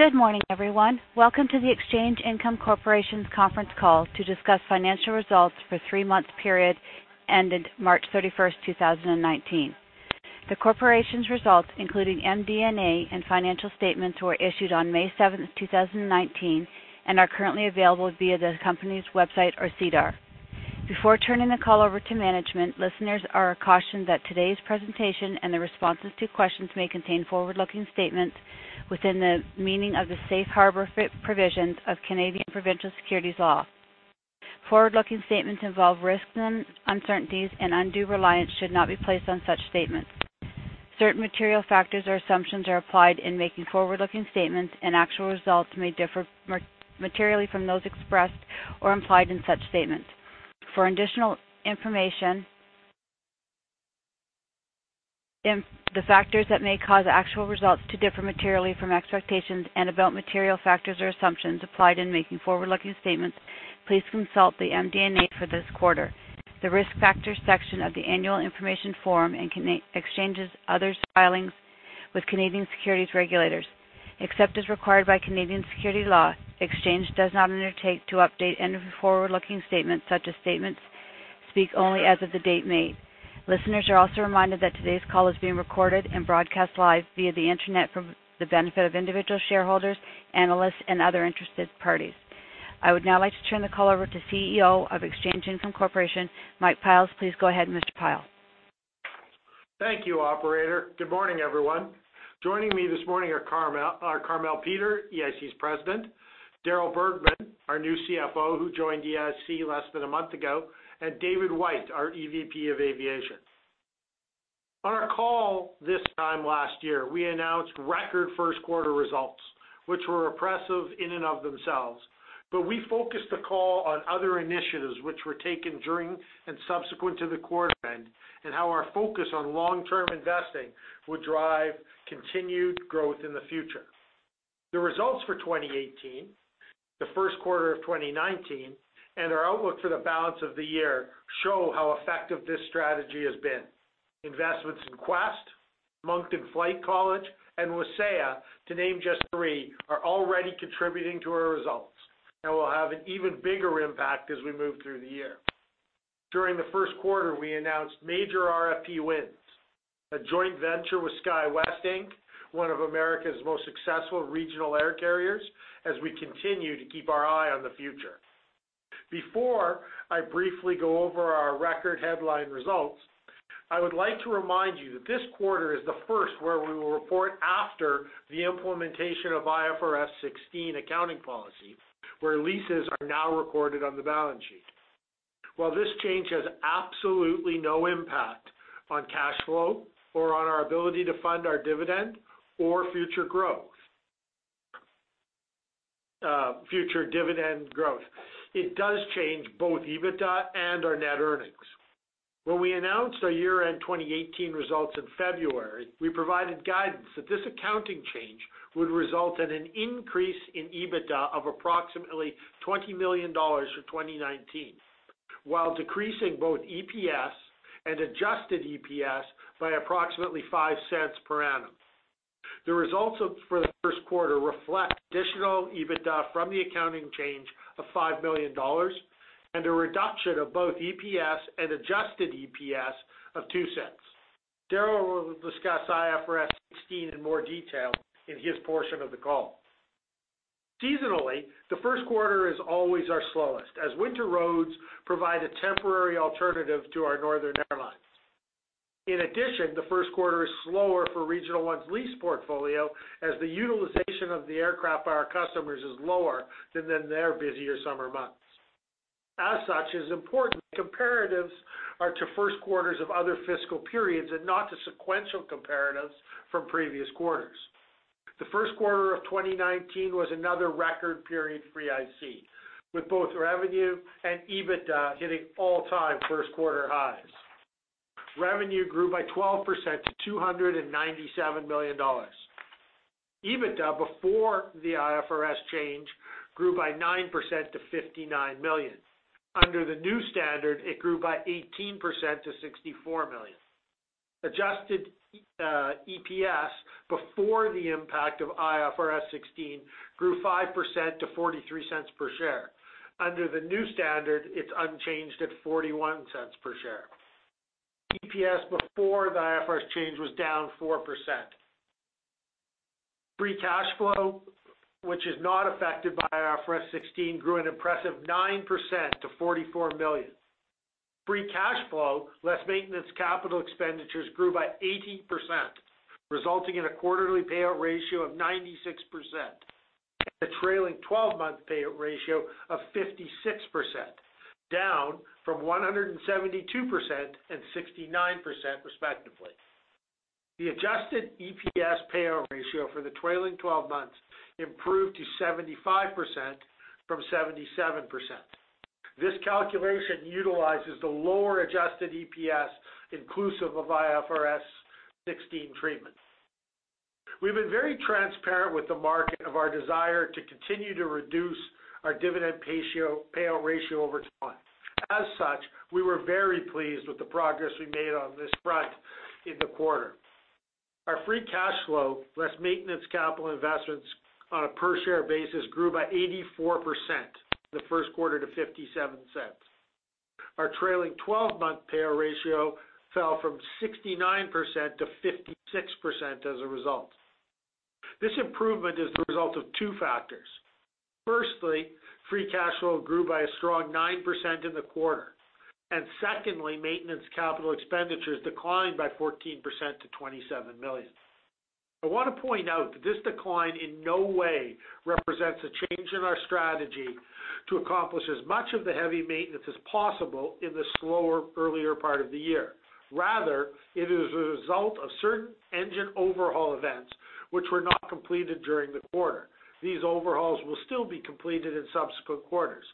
Good morning, everyone. Welcome to the Exchange Income Corporation's conference call to discuss financial results for three-month period ended March 31st, 2019. The corporation's results, including MD&A and financial statements, were issued on May 7th, 2019, and are currently available via the company's website or SEDAR. Before turning the call over to management, listeners are cautioned that today's presentation and the responses to questions may contain forward-looking statements within the meaning of the safe harbor provisions of Canadian provincial securities law. Forward-looking statements involve risks and uncertainties, and undue reliance should not be placed on such statements. Certain material factors or assumptions are applied in making forward-looking statements, and actual results may differ materially from those expressed or implied in such statements. For additional information the factors that may cause actual results to differ materially from expectations and about material factors or assumptions applied in making forward-looking statements, please consult the MD&A for this quarter. The Risk Factors section of the annual information form and Exchange's other filings with Canadian security regulators. Except as required by Canadian security law, Exchange does not undertake to update any of the forward-looking statements, such as statements speak only as of the date made. Listeners are also reminded that today's call is being recorded and broadcast live via the internet for the benefit of individual shareholders, analysts, and other interested parties. I would now like to turn the call over to CEO of Exchange Income Corporation, Mike Pyle. Please go ahead, Mr. Pyle. Thank you, operator. Good morning, everyone. Joining me this morning are Carmele Peter, EIC's President, Darryl Bergman, our new CFO, who joined EIC less than a month ago, and David White, our EVP of Aviation. On our call this time last year, we announced record first quarter results, which were impressive in and of themselves. We focused the call on other initiatives which were taken during and subsequent to the quarter end and how our focus on long-term investing would drive continued growth in the future. The results for 2018, the first quarter of 2019, and our outlook for the balance of the year show how effective this strategy has been. Investments in Quest, Moncton Flight College, and Wasaya, to name just three, are already contributing to our results and will have an even bigger impact as we move through the year. During the first quarter, we announced major RFP wins, a joint venture with SkyWest, Inc., one of America's most successful regional air carriers, as we continue to keep our eye on the future. Before I briefly go over our record headline results, I would like to remind you that this quarter is the first where we will report after the implementation of IFRS 16 accounting policy, where leases are now recorded on the balance sheet. While this change has absolutely no impact on cash flow or on our ability to fund our dividend or future growth, future dividend growth, it does change both EBITDA and our net earnings. When we announced our year-end 2018 results in February, we provided guidance that this accounting change would result in an increase in EBITDA of approximately 20 million dollars for 2019 while decreasing both EPS and adjusted EPS by approximately 0.05 per annum. The results for the first quarter reflect additional EBITDA from the accounting change of 5 million dollars and a reduction of both EPS and adjusted EPS of 0.02. Darryl will discuss IFRS 16 in more detail in his portion of the call. Seasonally, the first quarter is always our slowest, as winter roads provide a temporary alternative to our northern airlines. In addition, the first quarter is slower for Regional One's lease portfolio as the utilization of the aircraft by our customers is lower than in their busier summer months. As such, important comparatives are to first quarters of other fiscal periods and not to sequential comparatives from previous quarters. The first quarter of 2019 was another record period for EIC, with both revenue and EBITDA hitting all-time first-quarter highs. Revenue grew by 12% to 297 million dollars. EBITDA before the IFRS change grew by 9% to 59 million. Under the new standard, it grew by 18% to 64 million. Adjusted EPS before the impact of IFRS 16 grew 5% to 0.43 per share. Under the new standard, it is unchanged at 0.41 per share. EPS before the IFRS change was down 4%. Free cash flow, which is not affected by IFRS 16, grew an impressive 9% to 44 million. Free cash flow, less maintenance capital expenditures grew by 18%, resulting in a quarterly payout ratio of 96%, a trailing 12-month payout ratio of 56%, down from 172% and 69%, respectively. The adjusted EPS payout ratio for the trailing 12 months improved to 75% from 77%. This calculation utilizes the lower adjusted EPS inclusive of IFRS 16 treatment. We have been very transparent with the market of our desire to continue to reduce our dividend payout ratio over time. We were very pleased with the progress we made on this front in the quarter. Our free cash flow, less maintenance capital investments on a per-share basis grew by 84% in the first quarter to 0.57. Our trailing 12-month payout ratio fell from 69% to 56% as a result. This improvement is the result of two factors. Firstly, free cash flow grew by a strong 9% in the quarter, and secondly, maintenance capital expenditures declined by 14% to 27 million. I want to point out that this decline in no way represents a change in our strategy to accomplish as much of the heavy maintenance as possible in the slower, earlier part of the year. Rather, it is a result of certain engine overhaul events which were not completed during the quarter. These overhauls will still be completed in subsequent quarters.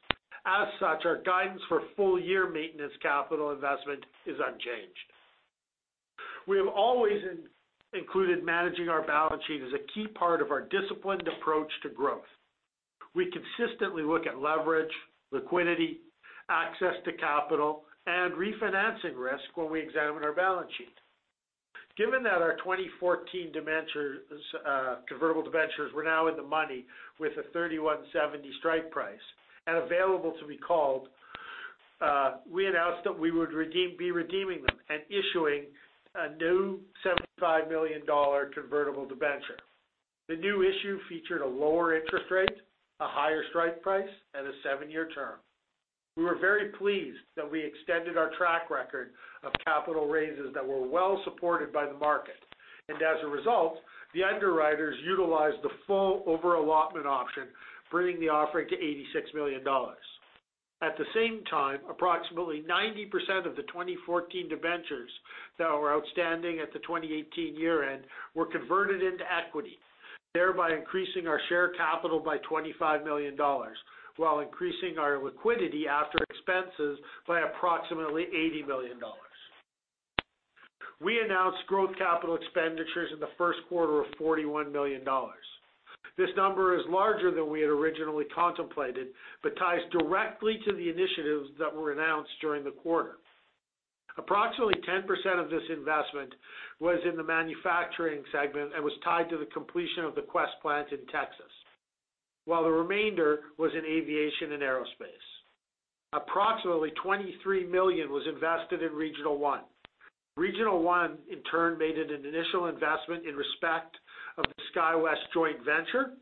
Our guidance for full-year maintenance capital investment is unchanged. We have always included managing our balance sheet as a key part of our disciplined approach to growth. We consistently look at leverage, liquidity, access to capital, and refinancing risk when we examine our balance sheet. Given that our 2014 convertible debentures were now in the money with a 31.70 strike price and available to be called, we announced that we would be redeeming them and issuing a new 75 million dollar convertible debenture. The new issue featured a lower interest rate, a higher strike price, and a seven-year term. We were very pleased that we extended our track record of capital raises that were well supported by the market. As a result, the underwriters utilized the full over-allotment option, bringing the offering to 86 million dollars. At the same time, approximately 90% of the 2014 debentures that were outstanding at the 2018 year-end were converted into equity, thereby increasing our share capital by 25 million dollars, while increasing our liquidity after expenses by approximately 80 million dollars. We announced growth capital expenditures in the first quarter of 41 million dollars. This number is larger than we had originally contemplated, but ties directly to the initiatives that were announced during the quarter. Approximately 10% of this investment was in the manufacturing segment and was tied to the completion of the Quest plant in Texas, while the remainder was in aviation and aerospace. Approximately 23 million was invested in Regional One. Regional One, in turn, made an initial investment in respect of the SkyWest joint venture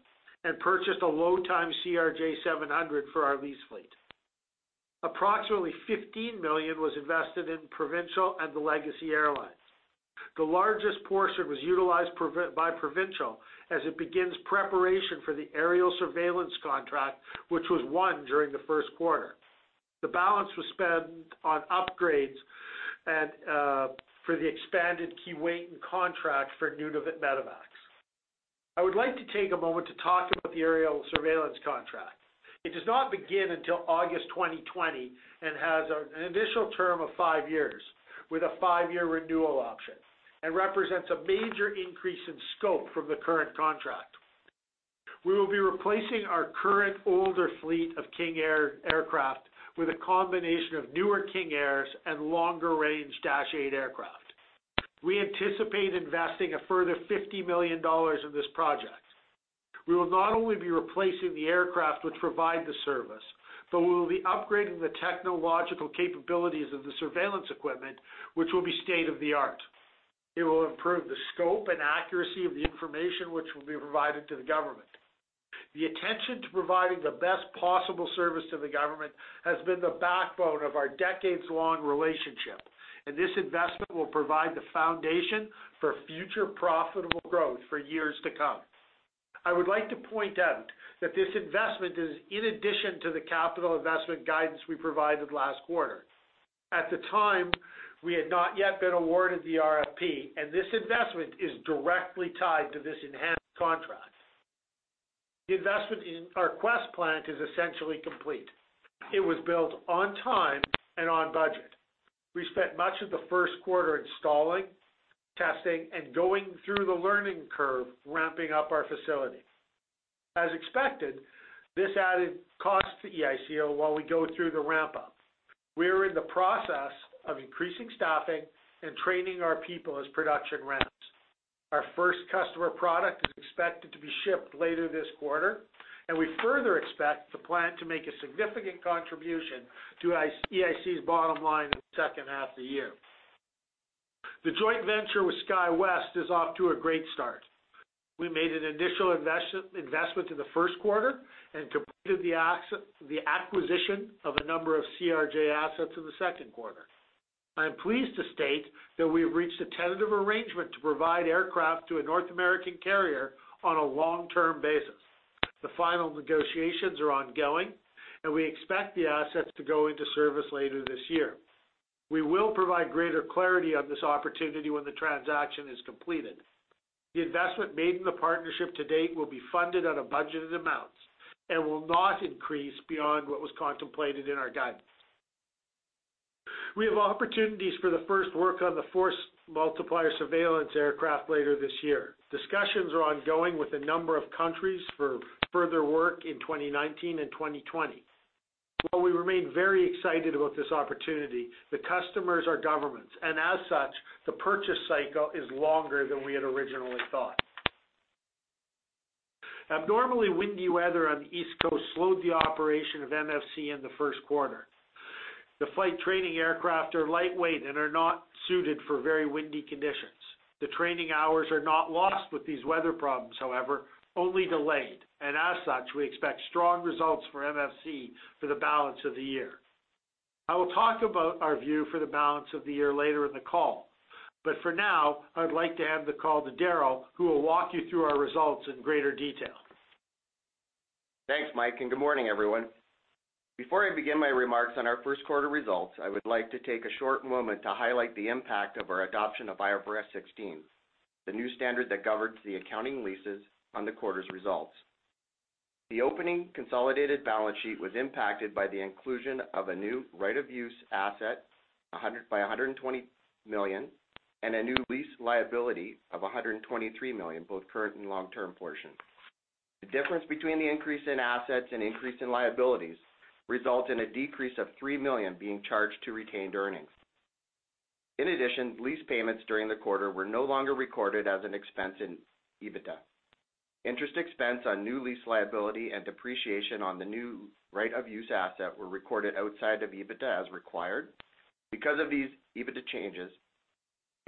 and purchased a low-time CRJ-700 for our lease fleet. Approximately 15 million was invested in Provincial and the Legacy Airlines. The largest portion was utilized by Provincial as it begins preparation for the aerial surveillance contract which was won during the first quarter. The balance was spent on upgrades for the expanded Keewatin Air contract for Nunavut Medevac. I would like to take a moment to talk about the aerial surveillance contract. It does not begin until August 2020 and has an initial term of 5 years with a 5-year renewal option and represents a major increase in scope from the current contract. We will be replacing our current older fleet of King Air aircraft with a combination of newer King Airs and longer-range Dash 8 aircraft. We anticipate investing a further 50 million dollars in this project. We will not only be replacing the aircraft which provide the service, but we will be upgrading the technological capabilities of the surveillance equipment, which will be state-of-the-art. It will improve the scope and accuracy of the information which will be provided to the government. The attention to providing the best possible service to the government has been the backbone of our decades-long relationship. This investment will provide the foundation for future profitable growth for years to come. I would like to point out that this investment is in addition to the capital investment guidance we provided last quarter. At the time, we had not yet been awarded the RFP. This investment is directly tied to this enhanced contract. The investment in our Quest plant is essentially complete. It was built on time and on budget. We spent much of the first quarter installing, testing, and going through the learning curve ramping up our facility. As expected, this added cost to EIC while we go through the ramp-up. We are in the process of increasing staffing and training our people as production ramps. Our first customer product is expected to be shipped later this quarter. We further expect the plant to make a significant contribution to EIC's bottom line in the second half of the year. The joint venture with SkyWest is off to a great start. We made an initial investment in the first quarter and completed the acquisition of a number of CRJ assets in the second quarter. I am pleased to state that we have reached a tentative arrangement to provide aircraft to a North American carrier on a long-term basis. The final negotiations are ongoing, and we expect the assets to go into service later this year. We will provide greater clarity on this opportunity when the transaction is completed. The investment made in the partnership to date will be funded out of budgeted amounts and will not increase beyond what was contemplated in our guidance. We have opportunities for the first work on the Force Multiplier surveillance aircraft later this year. Discussions are ongoing with a number of countries for further work in 2019 and 2020. While we remain very excited about this opportunity, the customers are governments and as such, the purchase cycle is longer than we had originally thought. Abnormally windy weather on the East Coast slowed the operation of MFC in the first quarter. The flight training aircraft are lightweight and are not suited for very windy conditions. The training hours are not lost with these weather problems, however, only delayed. As such, we expect strong results for MFC for the balance of the year. I will talk about our view for the balance of the year later in the call, but for now, I'd like to hand the call to Darryl, who will walk you through our results in greater detail. Thanks, Mike. Good morning, everyone. Before I begin my remarks on our first quarter results, I would like to take a short moment to highlight the impact of our adoption of IFRS 16, the new standard that governs the accounting leases on the quarter's results. The opening consolidated balance sheet was impacted by the inclusion of a new right of use asset by 120 million and a new lease liability of 123 million, both current and long-term portions. The difference between the increase in assets and increase in liabilities result in a decrease of 3 million being charged to retained earnings. In addition, lease payments during the quarter were no longer recorded as an expense in EBITDA. Interest expense on new lease liability and depreciation on the new right of use asset were recorded outside of EBITDA as required. Because of these EBITDA changes,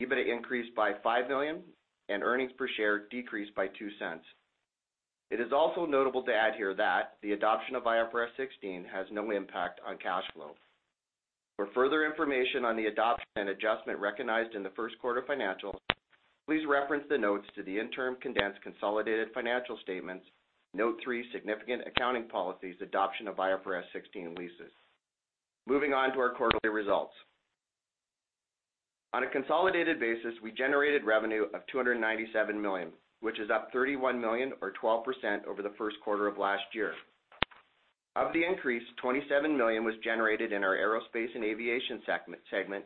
EBITDA increased by 5 million and earnings per share decreased by 0.02. It is also notable to add here that the adoption of IFRS 16 has no impact on cash flow. For further information on the adoption and adjustment recognized in the first quarter financials, please reference the notes to the interim condensed consolidated financial statements, note three, significant accounting policies, adoption of IFRS 16 leases. Moving on to our quarterly results. On a consolidated basis, we generated revenue of 297 million, which is up 31 million or 12% over the first quarter of last year. Of the increase, 27 million was generated in our Aerospace and Aviation segment,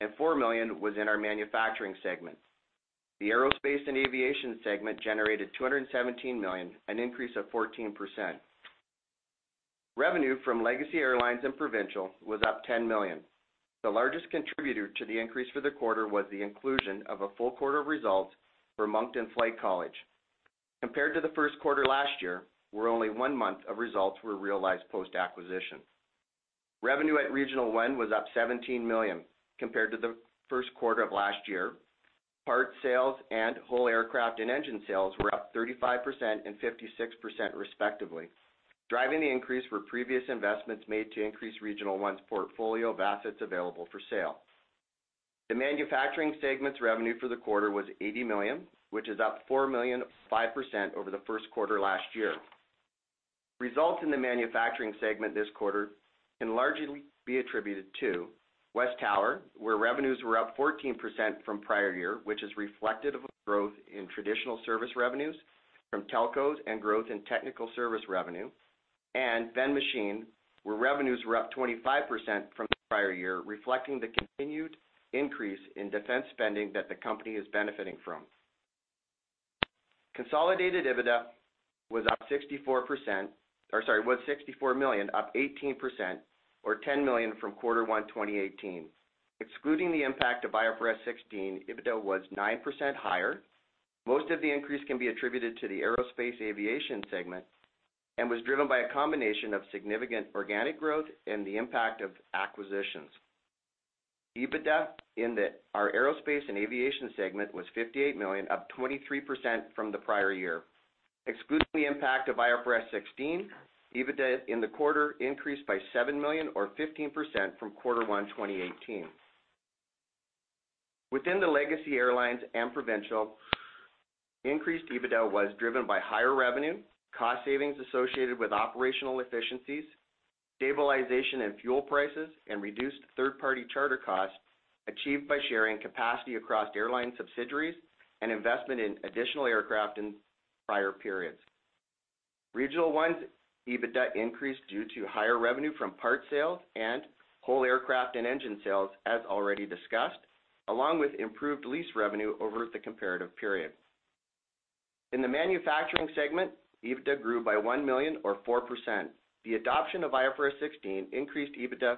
and 4 million was in our Manufacturing segment. The Aerospace and Aviation segment generated 217 million, an increase of 14%. Revenue from Legacy Airlines and Provincial was up 10 million. The largest contributor to the increase for the quarter was the inclusion of a full quarter of results for Moncton Flight College. Compared to the first quarter last year, where only one month of results were realized post-acquisition. Revenue at Regional One was up 17 million compared to the first quarter of last year. Part sales and whole aircraft and engine sales were up 35% and 56% respectively. Driving the increase were previous investments made to increase Regional One's portfolio of assets available for sale. The manufacturing segment's revenue for the quarter was 80 million, which is up 4 million, 5% over the first quarter last year. Results in the manufacturing segment this quarter can largely be attributed to Westower, where revenues were up 14% from prior year, which is reflective of growth in traditional service revenues from telcos and growth in technical service revenue, and Ben Machine, where revenues were up 25% from the prior year, reflecting the continued increase in defense spending that the company is benefiting from. Consolidated EBITDA was 64 million, up 18% or 10 million from quarter one 2018. Excluding the impact of IFRS 16, EBITDA was 9% higher. Most of the increase can be attributed to the aerospace aviation segment and was driven by a combination of significant organic growth and the impact of acquisitions. EBITDA in our aerospace and aviation segment was 58 million, up 23% from the prior year. Excluding the impact of IFRS 16, EBITDA in the quarter increased by 7 million or 15% from quarter one 2018. Within the Legacy Airlines and Provincial, increased EBITDA was driven by higher revenue, cost savings associated with operational efficiencies, stabilization in fuel prices, and reduced third-party charter costs achieved by sharing capacity across airline subsidiaries and investment in additional aircraft in prior periods. Regional One's EBITDA increased due to higher revenue from parts sales and whole aircraft and engine sales, as already discussed, along with improved lease revenue over the comparative period. In the manufacturing segment, EBITDA grew by 1 million or 4%. The adoption of IFRS 16 increased EBITDA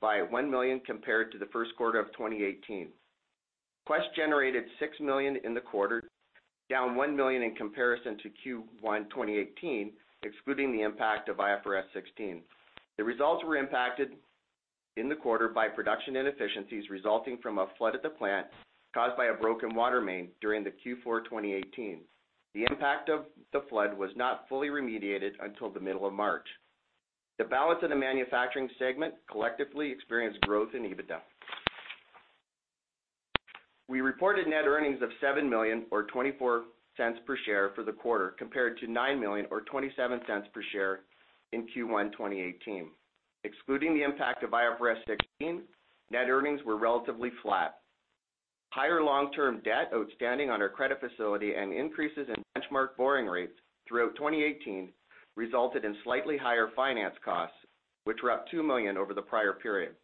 by 1 million compared to the first quarter of 2018. Quest generated 6 million in the quarter, down 1 million in comparison to Q1 2018, excluding the impact of IFRS 16. The results were impacted in the quarter by production inefficiencies resulting from a flood at the plant caused by a broken water main during the Q4 2018. The impact of the flood was not fully remediated until the middle of March. The balance of the manufacturing segment collectively experienced growth in EBITDA. We reported net earnings of 7 million or 0.24 per share for the quarter, compared to 9 million or 0.27 per share in Q1 2018. Excluding the impact of IFRS 16, net earnings were relatively flat. Higher long-term debt outstanding on our credit facility and increases in benchmark borrowing rates throughout 2018 resulted in slightly higher finance costs, which were up 2 million over the prior period.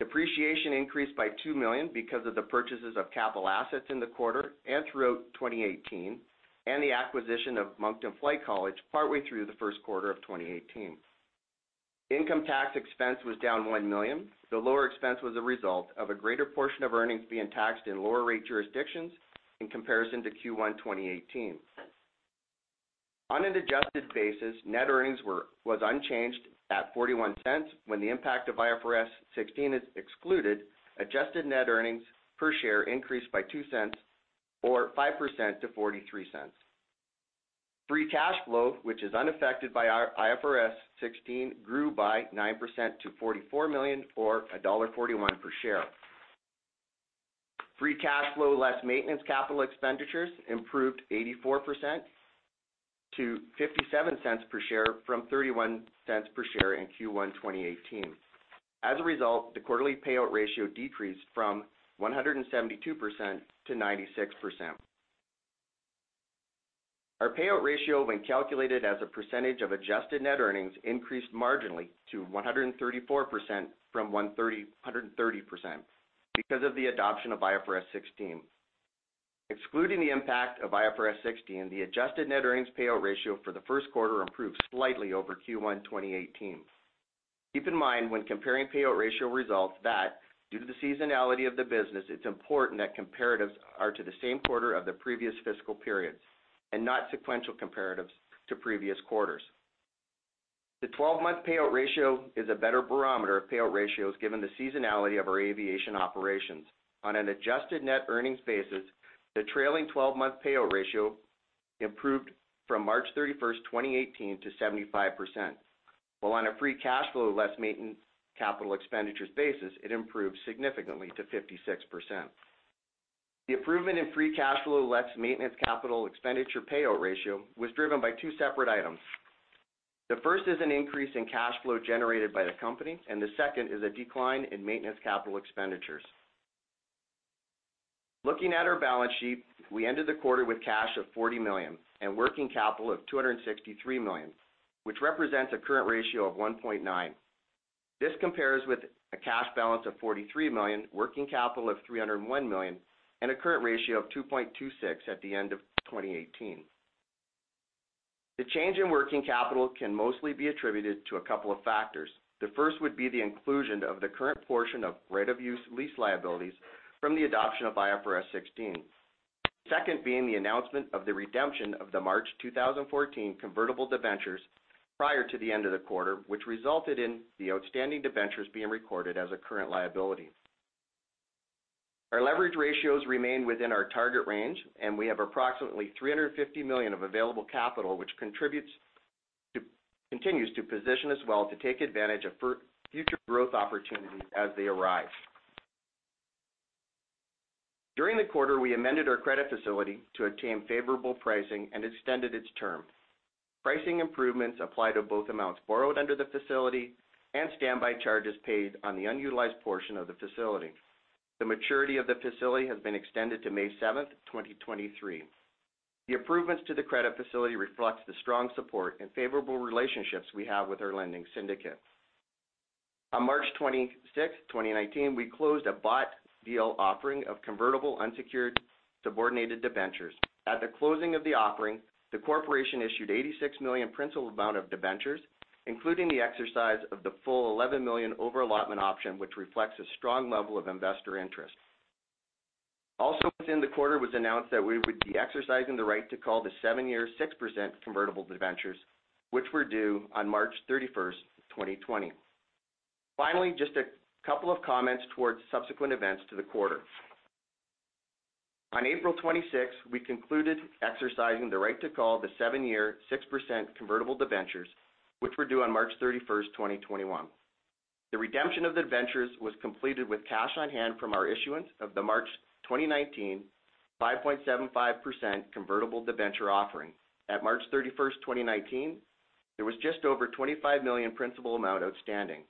Depreciation increased by 2 million because of the purchases of capital assets in the quarter and throughout 2018, and the acquisition of Moncton Flight College partway through the first quarter of 2018. Income tax expense was down 1 million. The lower expense was a result of a greater portion of earnings being taxed in lower rate jurisdictions in comparison to Q1 2018. On an adjusted basis, net earnings was unchanged at 0.41 when the impact of IFRS 16 is excluded, adjusted net earnings per share increased by 0.02 or 5% to 0.43. Free cash flow, which is unaffected by our IFRS 16, grew by 9% to 44 million or dollar 1.41 per share. Free cash flow, less maintenance capital expenditures improved 84% to 0.57 per share from 0.31 per share in Q1 2018. As a result, the quarterly payout ratio decreased from 172% to 96%. Our payout ratio, when calculated as a percentage of adjusted net earnings, increased marginally to 134% from 130% because of the adoption of IFRS 16. Excluding the impact of IFRS 16, the adjusted net earnings payout ratio for the first quarter improved slightly over Q1 2018. Keep in mind when comparing payout ratio results that due to the seasonality of the business, it's important that comparatives are to the same quarter of the previous fiscal periods and not sequential comparatives to previous quarters. The 12-month payout ratio is a better barometer of payout ratios given the seasonality of our aviation operations. On an adjusted net earnings basis, the trailing 12-month payout ratio improved from March 31st, 2018 to 75%, while on a free cash flow less maintenance capital expenditures basis, it improved significantly to 56%. The improvement in free cash flow less maintenance capital expenditure payout ratio was driven by two separate items. The first is an increase in cash flow generated by the company, and the second is a decline in maintenance capital expenditures. Looking at our balance sheet, we ended the quarter with cash of 40 million and working capital of 263 million, which represents a current ratio of 1.9. This compares with a cash balance of 43 million, working capital of 301 million, and a current ratio of 2.26 at the end of 2018. The change in working capital can mostly be attributed to a couple of factors. The first would be the inclusion of the current portion of right of use lease liabilities from the adoption of IFRS 16. Second being the announcement of the redemption of the March 2014 convertible debentures prior to the end of the quarter, which resulted in the outstanding debentures being recorded as a current liability. Our leverage ratios remain within our target range, and we have approximately 350 million of available capital which continues to position us well to take advantage of future growth opportunities as they arise. During the quarter, we amended our credit facility to obtain favorable pricing and extended its term. Pricing improvements apply to both amounts borrowed under the facility and standby charges paid on the unutilized portion of the facility. The maturity of the facility has been extended to May 7th, 2023. The improvements to the credit facility reflects the strong support and favorable relationships we have with our lending syndicate. On March 26th, 2019, we closed a bought deal offering of convertible unsecured subordinated debentures. At the closing of the offering, the corporation issued 86 million principal amount of debentures, including the exercise of the full 11 million over allotment option, which reflects a strong level of investor interest. Also within the quarter was announced that we would be exercising the right to call the seven-year 6% convertible debentures, which were due on March 31st, 2020. Finally, just a couple of comments towards subsequent events to the quarter. On April 26th, we concluded exercising the right to call the seven-year 6% convertible debentures, which were due on March 31st, 2021. The redemption of debentures was completed with cash on hand from our issuance of the March 2019 5.75% convertible debenture offering. At March 31st, 2019, there was just over 25 million principal amount outstanding.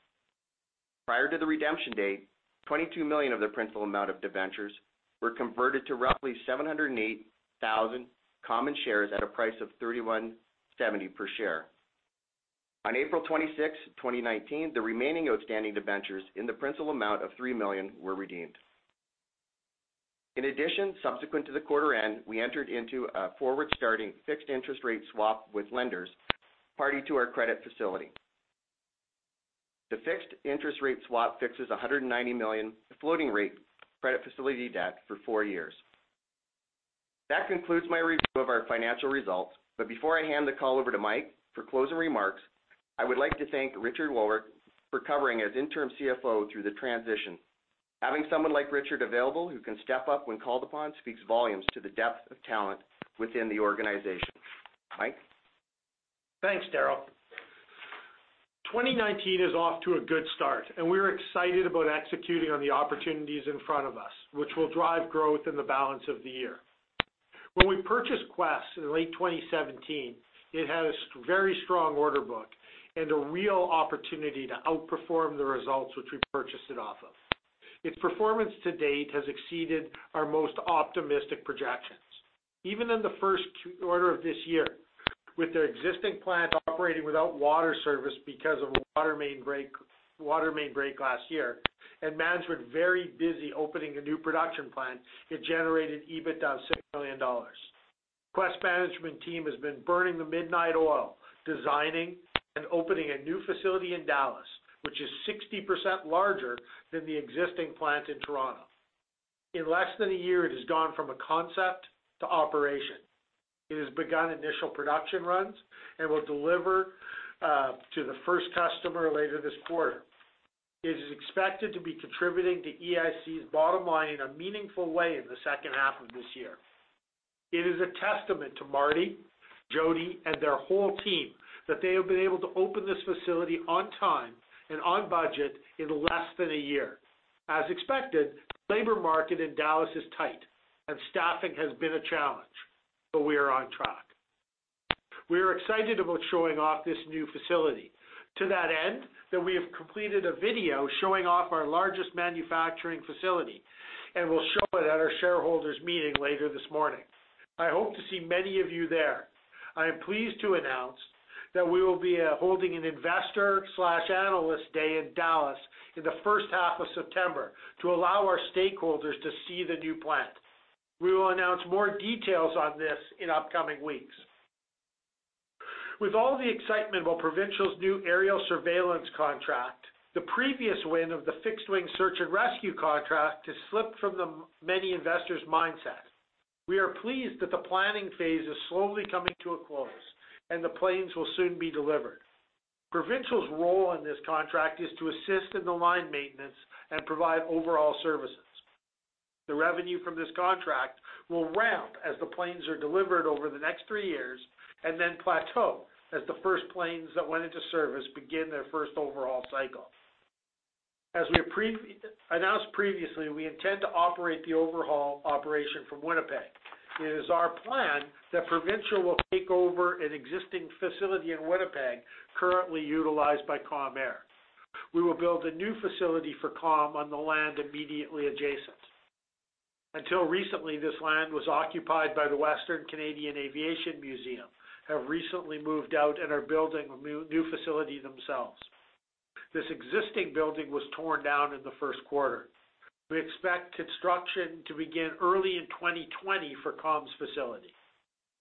Prior to the redemption date, 22 million of the principal amount of debentures were converted to roughly 708,000 common shares at a price of 31.70 per share. On April 26th, 2019, the remaining outstanding debentures in the principal amount of 3 million were redeemed. In addition, subsequent to the quarter end, we entered into a forward-starting fixed interest rate swap with lenders party to our credit facility. The fixed interest rate swap fixes 190 million floating rate credit facility debt for four years. That concludes my review of our financial results, but before I hand the call over to Mike for closing remarks, I would like to thank Richard Wowryk for covering as interim CFO through the transition. Having someone like Richard available who can step up when called upon speaks volumes to the depth of talent within the organization. Mike? Thanks, Darryl. 2019 is off to a good start, and we're excited about executing on the opportunities in front of us, which will drive growth in the balance of the year. When we purchased Quest in late 2017, it had a very strong order book and a real opportunity to outperform the results which we purchased it off of. Its performance to date has exceeded our most optimistic projections. Even in the first quarter of this year, with their existing plant operating without water service because of a water main break last year, and management very busy opening a new production plant, it generated EBITDA of 6 million dollars. Quest management team has been burning the midnight oil, designing and opening a new facility in Dallas, which is 60% larger than the existing plant in Toronto. In less than a year, it has gone from a concept to operation. It has begun initial production runs and will deliver to the first customer later this quarter. It is expected to be contributing to EIC's bottom line in a meaningful way in the second half of this year. It is a testament to Marty, Jody, and their whole team that they have been able to open this facility on time and on budget in less than a year. As expected, the labor market in Dallas is tight and staffing has been a challenge, but we are on track. We are excited about showing off this new facility. To that end, we have completed a video showing off our largest manufacturing facility, and we'll show it at our shareholders meeting later this morning. I hope to see many of you there. I am pleased to announce that we will be holding an investor/analyst day in Dallas in the first half of September to allow our stakeholders to see the new plant. We will announce more details on this in upcoming weeks. With all the excitement about Provincial's new aerial surveillance contract, the previous win of the fixed-wing search and rescue contract has slipped from many investors' mindset. We are pleased that the planning phase is slowly coming to a close and the planes will soon be delivered. Provincial's role in this contract is to assist in the line maintenance and provide overall services. The revenue from this contract will ramp as the planes are delivered over the next three years and then plateau as the first planes that went into service begin their first overhaul cycle. As we announced previously, we intend to operate the overhaul operation from Winnipeg. It is our plan that Provincial will take over an existing facility in Winnipeg currently utilized by Calm Air. We will build a new facility for Calm on the land immediately adjacent. Until recently, this land was occupied by the Royal Aviation Museum of Western Canada, have recently moved out and are building a new facility themselves. This existing building was torn down in the first quarter. We expect construction to begin early in 2020 for Calm's facility.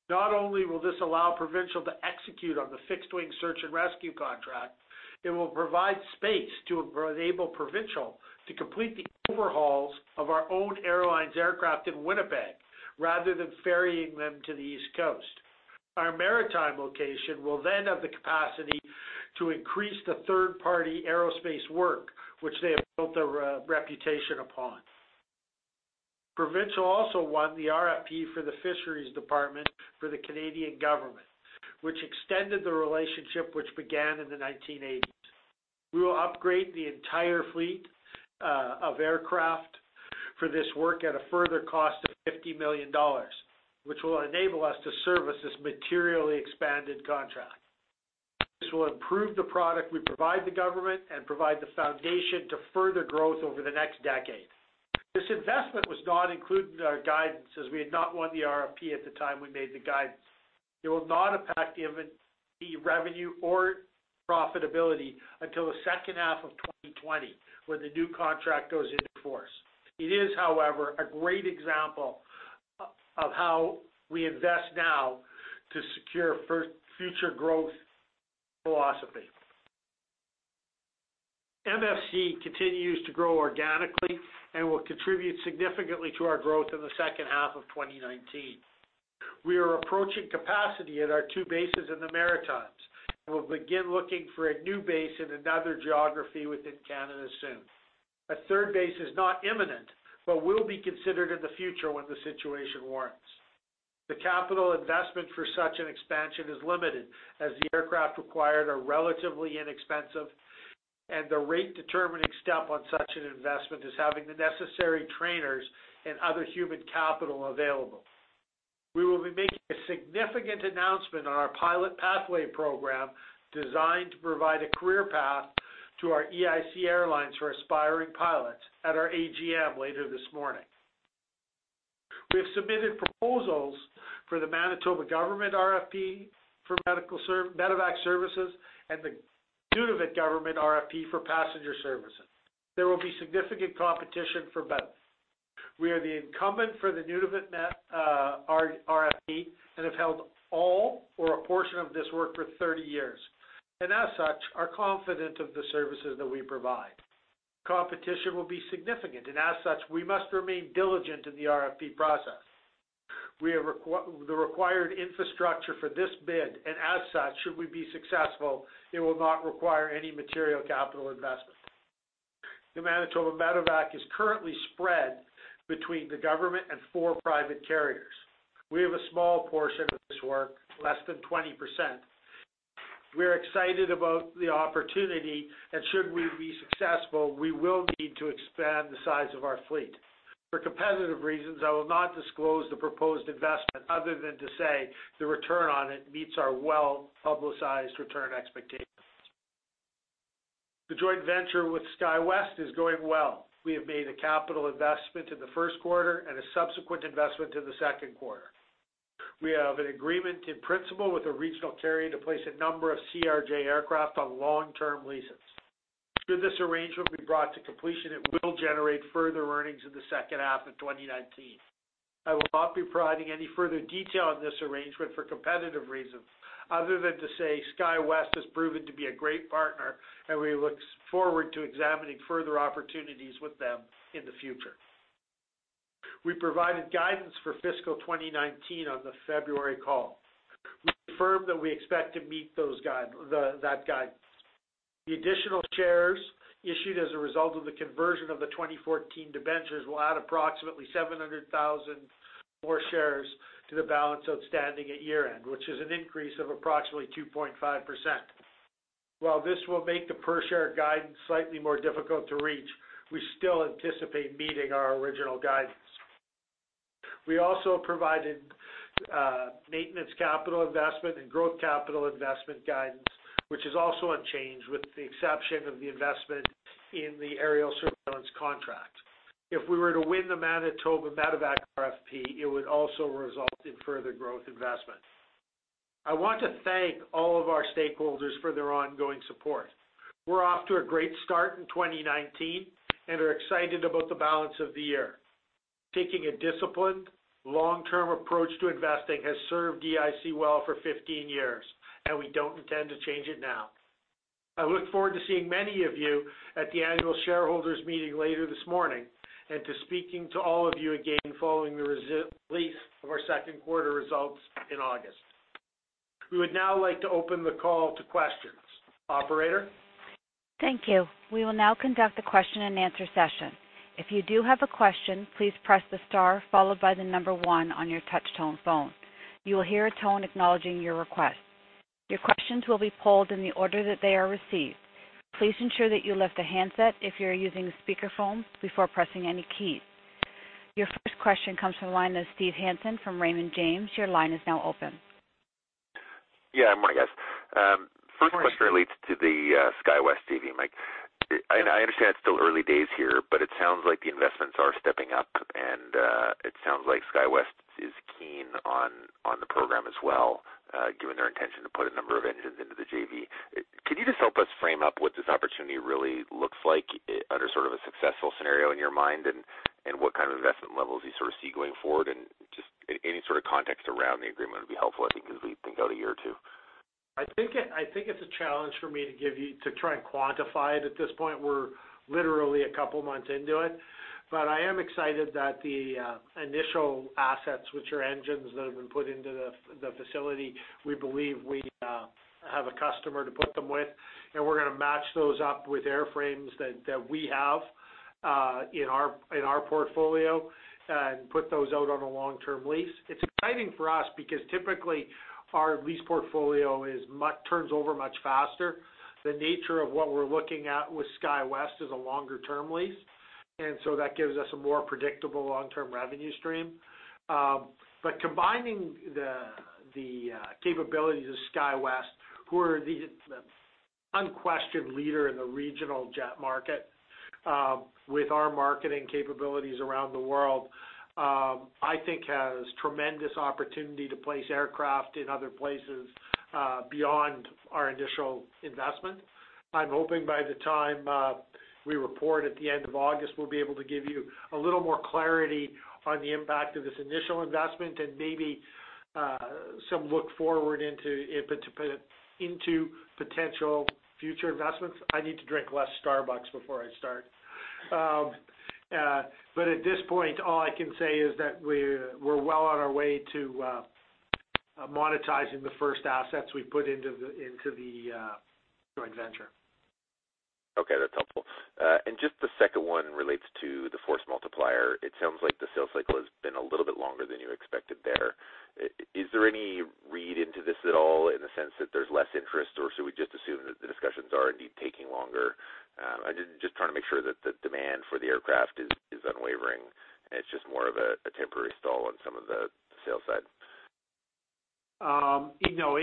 Not only will this allow Provincial to execute on the fixed-wing search and rescue contract, it will provide space to enable Provincial to complete the overhauls of our own airlines aircraft in Winnipeg, rather than ferrying them to the East Coast. Our maritime location will have the capacity to increase the third-party aerospace work, which they have built their reputation upon. Provincial also won the RFP for the fisheries department for the Canadian government, which extended the relationship which began in the 1980s. We will upgrade the entire fleet of aircraft for this work at a further cost of 50 million dollars, which will enable us to service this materially expanded contract. This will improve the product we provide the government and provide the foundation to further growth over the next decade. This investment was not included in our guidance as we had not won the RFP at the time we made the guidance. It will not impact the revenue or profitability until the second half of 2020, when the new contract goes into force. It is, however, a great example of how we invest now to secure future growth philosophy. MFC continues to grow organically and will contribute significantly to our growth in the second half of 2019. We are approaching capacity at our two bases in the Maritimes and will begin looking for a new base in another geography within Canada soon. A third base is not imminent, but will be considered in the future when the situation warrants. The capital investment for such an expansion is limited, as the aircraft required are relatively inexpensive, and the rate-determining step on such an investment is having the necessary trainers and other human capital available. We will be making a significant announcement on our Atik Mason Indigenous Pilot Pathway program, designed to provide a career path to our EIC Airlines for aspiring pilots, at our AGM later this morning. We have submitted proposals for the Manitoba government RFP for Medevac services and the Nunavut government RFP for passenger services. There will be significant competition for both. We are the incumbent for the Nunavut RFP and have held all or a portion of this work for 30 years, and as such, are confident of the services that we provide. Competition will be significant, and as such, we must remain diligent in the RFP process. We have the required infrastructure for this bid, and as such, should we be successful, it will not require any material capital investment. The Manitoba Medevac is currently spread between the government and four private carriers. We have a small portion of this work, less than 20%. We're excited about the opportunity, and should we be successful, we will need to expand the size of our fleet. For competitive reasons, I will not disclose the proposed investment other than to say the return on it meets our well-publicized return expectations. The joint venture with SkyWest is going well. We have made a capital investment in the first quarter and a subsequent investment in the second quarter. We have an agreement in principle with a regional carrier to place a number of CRJ aircraft on long-term leases. Should this arrangement be brought to completion, it will generate further earnings in the second half of 2019. I will not be providing any further detail on this arrangement for competitive reasons, other than to say SkyWest has proven to be a great partner, and we look forward to examining further opportunities with them in the future. We provided guidance for fiscal 2019 on the February call. We affirm that we expect to meet that guide. The additional shares issued as a result of the conversion of the 2014 debentures will add approximately 700,000 more shares to the balance outstanding at year-end, which is an increase of approximately 2.5%. While this will make the per-share guidance slightly more difficult to reach, we still anticipate meeting our original guidance. We also provided maintenance capital investment and growth capital investment guidance, which is also unchanged with the exception of the investment in the aerial surveillance contract. If we were to win the Manitoba Medevac RFP, it would also result in further growth investment. I want to thank all of our stakeholders for their ongoing support. We're off to a great start in 2019 and are excited about the balance of the year. Taking a disciplined, long-term approach to investing has served EIC well for 15 years, and we don't intend to change it now. I look forward to seeing many of you at the annual shareholders meeting later this morning and to speaking to all of you again following the release of our second quarter results in August. We would now like to open the call to questions. Operator? Thank you. We will now conduct the question and answer session. If you do have a question, please press the star followed by the number one on your touch-tone phone. You will hear a tone acknowledging your request. Your questions will be polled in the order that they are received. Please ensure that you lift the handset if you're using a speakerphone before pressing any keys. Your first question comes from the line of Steve Hansen from Raymond James. Your line is now open. Yeah, Mike, yes. First question relates to the SkyWest JV, Mike. I understand it's still early days here. It sounds like the investments are stepping up, and it sounds like SkyWest is keen on the program as well, given their intention to put a number of engines into the JV. Could you just help us frame up what this opportunity really looks like under a successful scenario in your mind, and what kind of investment levels you see going forward? Just any sort of context around the agreement would be helpful, I think, as we think out a year or two. I think it's a challenge for me to try and quantify it at this point. We're literally a couple of months into it. I am excited that the initial assets, which are engines that have been put into the facility, we believe we have a customer to put them with, and we're going to match those up with airframes that we have in our portfolio and put those out on a long-term lease. It's exciting for us because typically our lease portfolio turns over much faster. The nature of what we're looking at with SkyWest is a longer-term lease. That gives us a more predictable long-term revenue stream. Combining the capabilities of SkyWest, who are the unquestioned leader in the regional jet market, with our marketing capabilities around the world, I think has tremendous opportunity to place aircraft in other places beyond our initial investment. I'm hoping by the time we report at the end of August, we'll be able to give you a little more clarity on the impact of this initial investment and maybe some look forward into potential future investments. I need to drink less Starbucks before I start. At this point, all I can say is that we're well on our way to monetizing the first assets we've put into the joint venture. Okay, that's helpful. Just the second one relates to the Force Multiplier. It sounds like the sales cycle has been a little bit longer than you expected there. Is there any read into this at all in the sense that there's less interest, or should we just assume that the discussions are indeed taking longer? I'm just trying to make sure that the demand for the aircraft is unwavering and it's just more of a temporary stall on some of the sales side. No.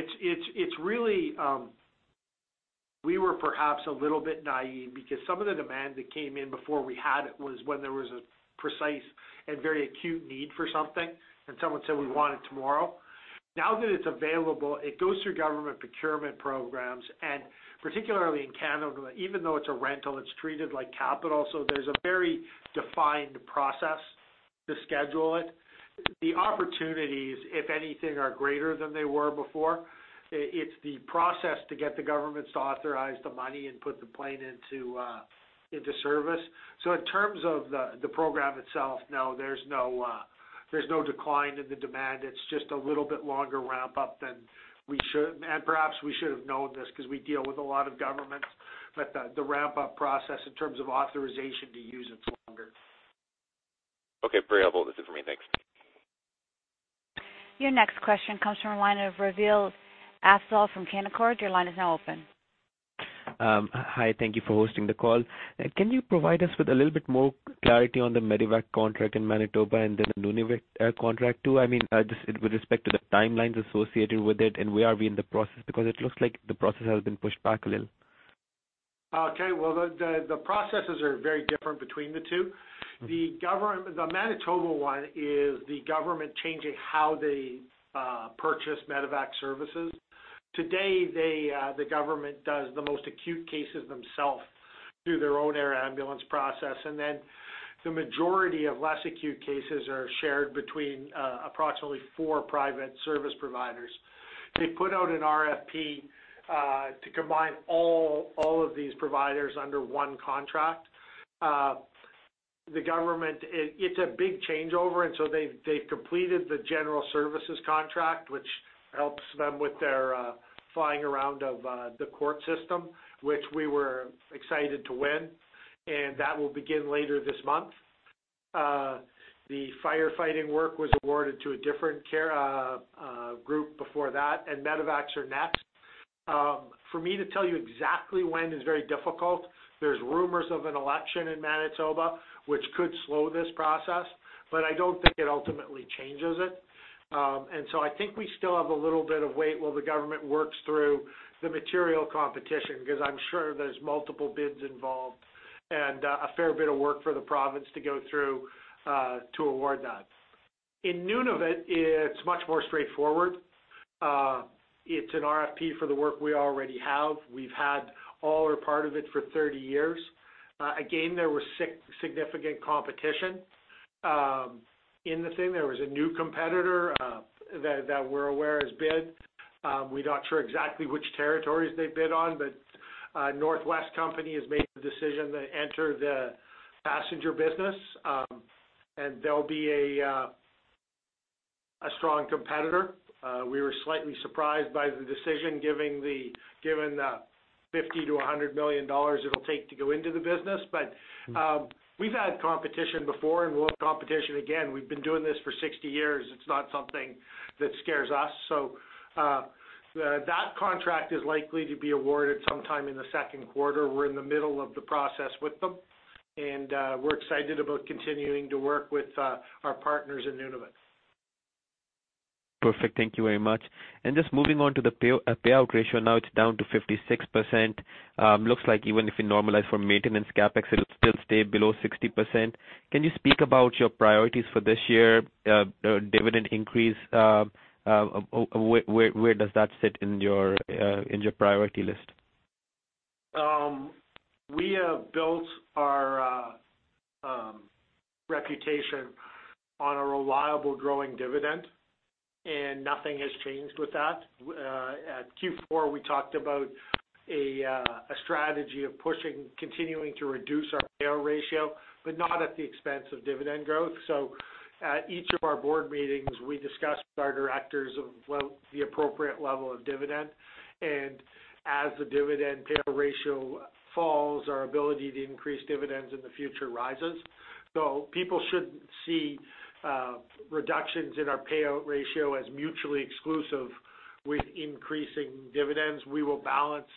We were perhaps a little bit naive because some of the demand that came in before we had it was when there was a precise and very acute need for something and someone said, "We want it tomorrow." Now that it's available, it goes through government procurement programs, and particularly in Canada, even though it's a rental, it's treated like capital. There's a very defined process to schedule it. The opportunities, if anything, are greater than they were before. It's the process to get the governments to authorize the money and put the plane into service. In terms of the program itself, no, there's no decline in the demand. It's just a little bit longer ramp-up than we should, and perhaps we should have known this because we deal with a lot of governments, but the ramp-up process in terms of authorization to use it is longer. Okay, very helpful. This is for me. Thanks. Your next question comes from the line of Razi Hasan from Canaccord. Your line is now open. Hi, thank you for hosting the call. Can you provide us with a little bit more clarity on the Medevac contract in Manitoba? The Nunavut air contract too? With respect to the timelines associated with it, where are we in the process? It looks like the process has been pushed back a little. Okay. The processes are very different between the two. The Manitoba one is the government changing how they purchase Medevac services. Today, the government does the most acute cases themselves through their own air ambulance process. The majority of less acute cases are shared between approximately four private service providers. They put out an RFP to combine all of these providers under one contract. It's a big changeover. They've completed the general services contract, which helps them with their flying around of the court system, which we were excited to win, and that will begin later this month. The firefighting work was awarded to a different group before that. Medevacs are next. For me to tell you exactly when is very difficult. There's rumors of an election in Manitoba which could slow this process. I don't think it ultimately changes it. I think we still have a little bit of wait while the government works through the material competition. I'm sure there's multiple bids involved and a fair bit of work for the province to go through to award that. In Nunavut, it's much more straightforward. It's an RFP for the work we already have. We've had all or part of it for 30 years. Again, there was significant competition in the thing. There was a new competitor that we're aware has bid. We're not sure exactly which territories they bid on, but a Northwest company has made the decision to enter the passenger business, and they'll be a strong competitor. We were slightly surprised by the decision given the 50 million-100 million dollars it'll take to go into the business. We've had competition before, and we'll have competition again. We've been doing this for 60 years. It's not something that scares us. That contract is likely to be awarded sometime in the second quarter. We're in the middle of the process with them, and we're excited about continuing to work with our partners in Nunavut. Perfect. Thank you very much. Just moving on to the payout ratio now it's down to 56%. Looks like even if we normalize for maintenance CapEx, it'll still stay below 60%. Can you speak about your priorities for this year? Dividend increase, where does that sit in your priority list? We have built our reputation on a reliable growing dividend. Nothing has changed with that. At Q4, we talked about a strategy of pushing, continuing to reduce our payout ratio, not at the expense of dividend growth. At each of our board meetings, we discuss with our directors of the appropriate level of dividend. As the dividend payout ratio falls, our ability to increase dividends in the future rises. People shouldn't see reductions in our payout ratio as mutually exclusive with increasing dividends. We will balance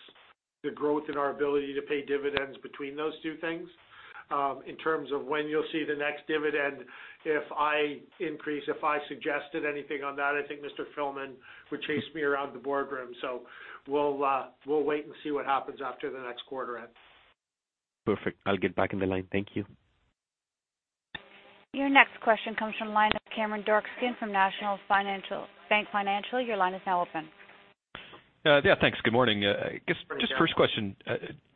the growth in our ability to pay dividends between those two things. In terms of when you'll see the next dividend, if I suggested anything on that, I think Mr. Filmon would chase me around the boardroom. We'll wait and see what happens after the next quarter end. Perfect. I'll get back in the line. Thank you. Your next question comes from the line of Cameron Doerksen from National Bank Financial. Your line is now open. Yeah, thanks. Good morning. Good morning, Cameron. Just first question,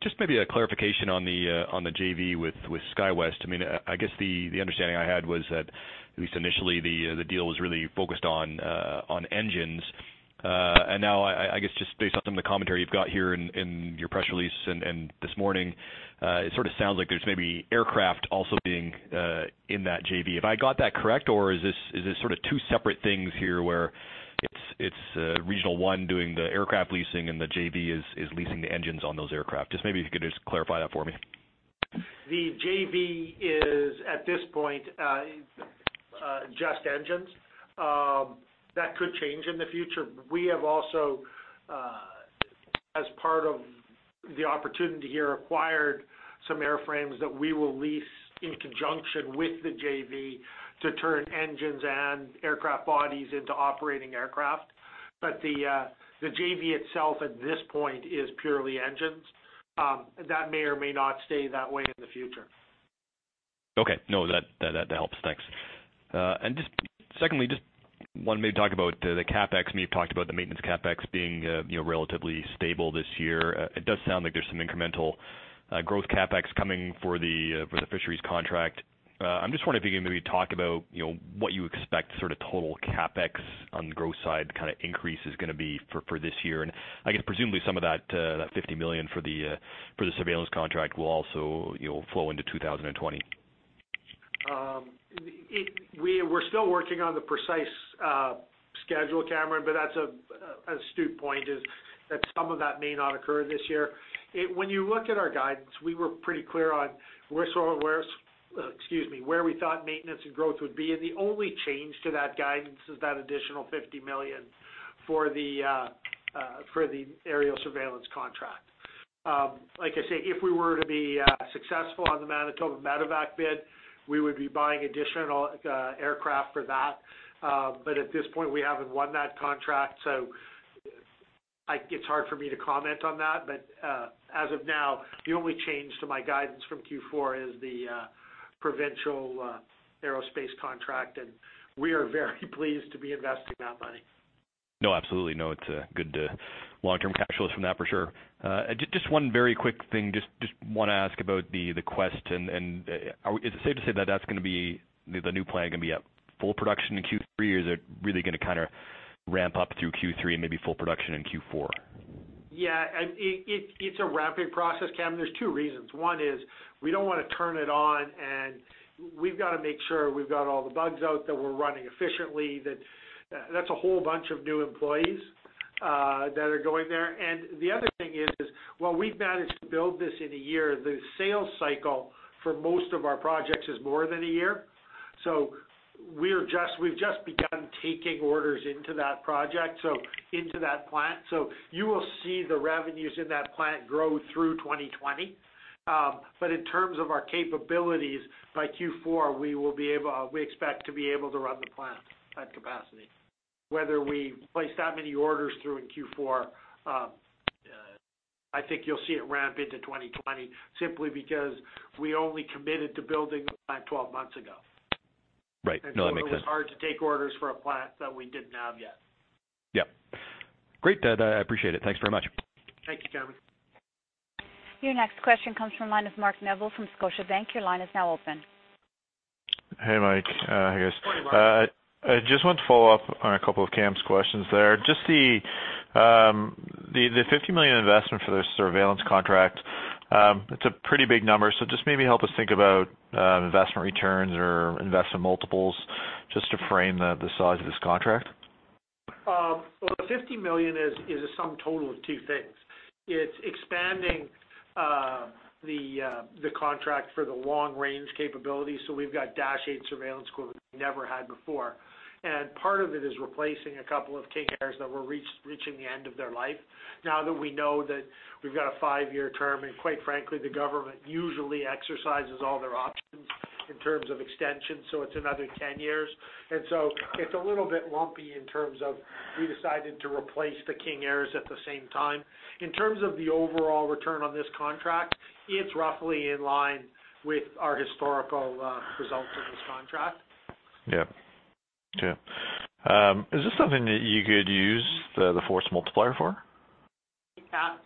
just maybe a clarification on the JV with SkyWest. I guess the understanding I had was that at least initially, the deal was really focused on engines. Now, I guess just based off some of the commentary you've got here in your press release and this morning, it sort of sounds like there's maybe aircraft also being in that JV. Have I got that correct, or is this sort of two separate things here where it's Regional One doing the aircraft leasing and the JV is leasing the engines on those aircraft? Just maybe if you could just clarify that for me. The JV is, at this point, just engines. That could change in the future. We have also, as part of the opportunity here, acquired some airframes that we will lease in conjunction with the JV to turn engines and aircraft bodies into operating aircraft. The JV itself at this point is purely engines. That may or may not stay that way in the future. Okay. No, that helps. Thanks. Just secondly, just wanted me to talk about the CapEx. You've talked about the maintenance CapEx being relatively stable this year. It does sound like there's some incremental growth CapEx coming for the fisheries contract. I'm just wondering if you can maybe talk about what you expect sort of total CapEx on the growth side kind of increase is going to be for this year. I guess presumably some of that 50 million for the surveillance contract will also flow into 2020. We're still working on the precise schedule, Cameron, that's an astute point, is that some of that may not occur this year. When you look at our guidance, we were pretty clear on where we thought maintenance and growth would be, the only change to that guidance is that additional 50 million for the aerial surveillance contract. Like I say, if we were to be successful on the Manitoba Medevac bid, we would be buying additional aircraft for that. At this point, we haven't won that contract, so it's hard for me to comment on that. As of now, the only change to my guidance from Q4 is the Provincial Aerospace contract, we are very pleased to be investing that money. No, absolutely. No, it's a good long-term catalyst from that for sure. Just one very quick thing. Just want to ask about the Quest and is it safe to say that the new plan going to be at full production in Q3 or is it really going to ramp up through Q3 and maybe full production in Q4? Yeah. It's a ramping process, Cameron. There's two reasons. One is we don't want to turn it on, and we've got to make sure we've got all the bugs out, that we're running efficiently, that's a whole bunch of new employees that are going there. The other thing is, while we've managed to build this in a year, the sales cycle for most of our projects is more than a year. We've just begun taking orders into that project, into that plant. You will see the revenues in that plant grow through 2020. In terms of our capabilities, by Q4, we expect to be able to run the plant at capacity. Whether we place that many orders through in Q4, I think you'll see it ramp into 2020 simply because we only committed to building the plant 12 months ago. Right. No, that makes sense. It was hard to take orders for a plant that we didn't have yet. Yep. Great. I appreciate it. Thanks very much. Thank you, Cameron. Your next question comes from the line of Mark Neville from Scotiabank. Your line is now open. Hey, Mike. Hey, guys. Morning, Mark. I just wanted to follow up on a couple of Cam's questions there. The 50 million investment for the surveillance contract, it's a pretty big number. Just maybe help us think about investment returns or investment multiples just to frame the size of this contract. Well, the 50 million is a sum total of two things. It's expanding the contract for the long-range capabilities. We've got Dash 8 surveillance quote we never had before. Part of it is replacing a couple of King Airs that were reaching the end of their life. Now that we know that we've got a five-year term, and quite frankly, the government usually exercises all their options in terms of extension, it's another 10 years. It's a little bit lumpy in terms of we decided to replace the King Airs at the same time. In terms of the overall return on this contract, it's roughly in line with our historical results of this contract. Yep. Okay. Is this something that you could use the Force Multiplier for?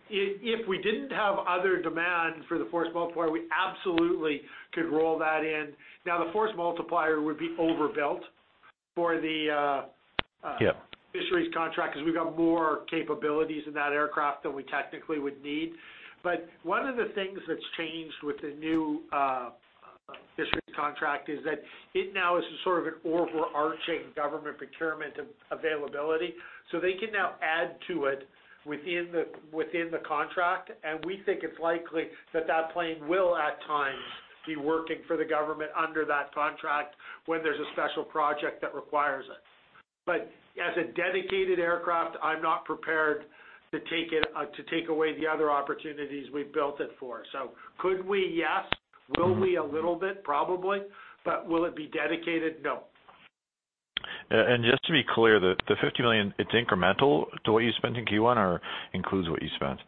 If we didn't have other demand for the Force Multiplier, we absolutely could roll that in. Now, the Force Multiplier would be overbuilt. Yep fisheries contract because we've got more capabilities in that aircraft than we technically would need. One of the things that's changed with the new fisheries contract is that it now is an overarching government procurement availability, so they can now add to it within the contract, and we think it's likely that that plane will, at times, be working for the government under that contract when there's a special project that requires it. As a dedicated aircraft, I'm not prepared to take away the other opportunities we've built it for. Could we? Yes. Will we a little bit? Probably. Will it be dedicated? No. Just to be clear, the 50 million, it's incremental to what you spent in Q1 or includes what you spent?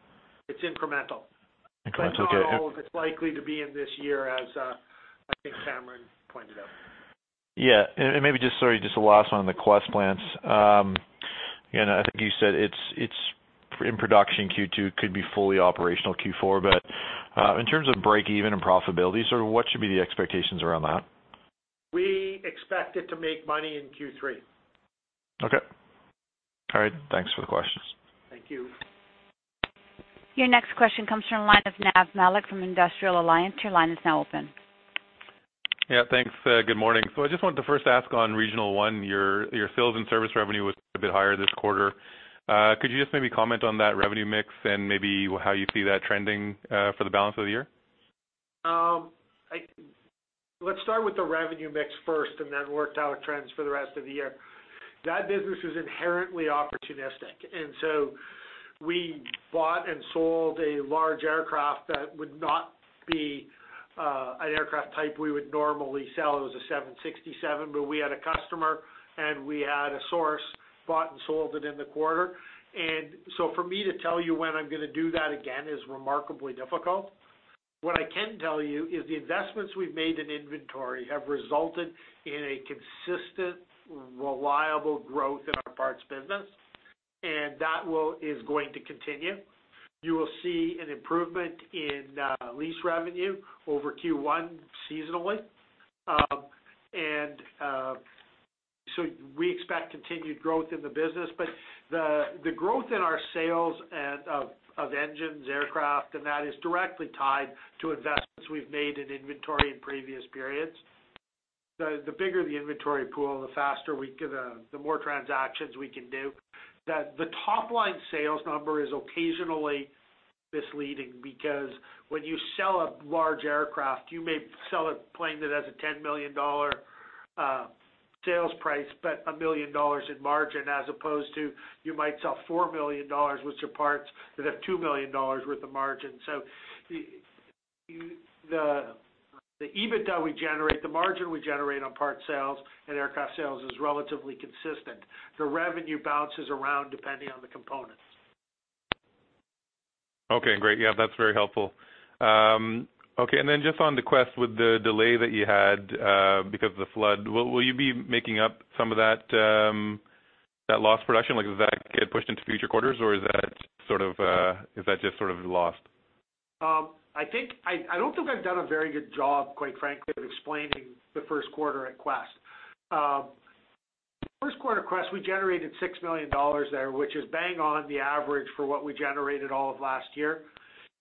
It's incremental. Incremental. Okay. Not all of it's likely to be in this year as I think Cameron pointed out. Maybe just, sorry, just the last one on the Quest plants. Again, I think you said it's in production Q2, could be fully operational Q4, but in terms of break-even and profitability, what should be the expectations around that? We expect it to make money in Q3. Okay. All right. Thanks for the questions. Thank you. Your next question comes from the line of Naveed Malik from Industrial Alliance. Your line is now open. Yeah. Thanks. Good morning. I just wanted to first ask on Regional One, your sales and service revenue was a bit higher this quarter. Could you just maybe comment on that revenue mix and maybe how you see that trending for the balance of the year? Let's start with the revenue mix first and then work out trends for the rest of the year. That business was inherently opportunistic. We bought and sold a large aircraft that would not be an aircraft type we would normally sell. It was a 767. We had a customer, and we had a source, bought and sold it in the quarter. We expect continued growth in the business. The growth in our sales of engines, aircraft, and that is directly tied to investments we've made in inventory in previous periods. The bigger the inventory pool, the more transactions we can do. The top-line sales number is occasionally misleading, because when you sell a large aircraft, you may sell a plane that has a 10 million dollar sales price, but 1 million dollars in margin as opposed to you might sell 4 million dollars worth of parts that have 2 million dollars worth of margin. The EBITDA we generate, the margin we generate on part sales and aircraft sales is relatively consistent. The revenue bounces around depending on the component. Great. That's very helpful. Just on Quest with the delay that you had because of the flood, will you be making up some of that lost production? Does that get pushed into future quarters or is that just sort of lost? I don't think I've done a very good job, quite frankly, of explaining the first quarter at Quest. First quarter at Quest, we generated 6 million dollars there, which is bang on the average for what we generated all of last year.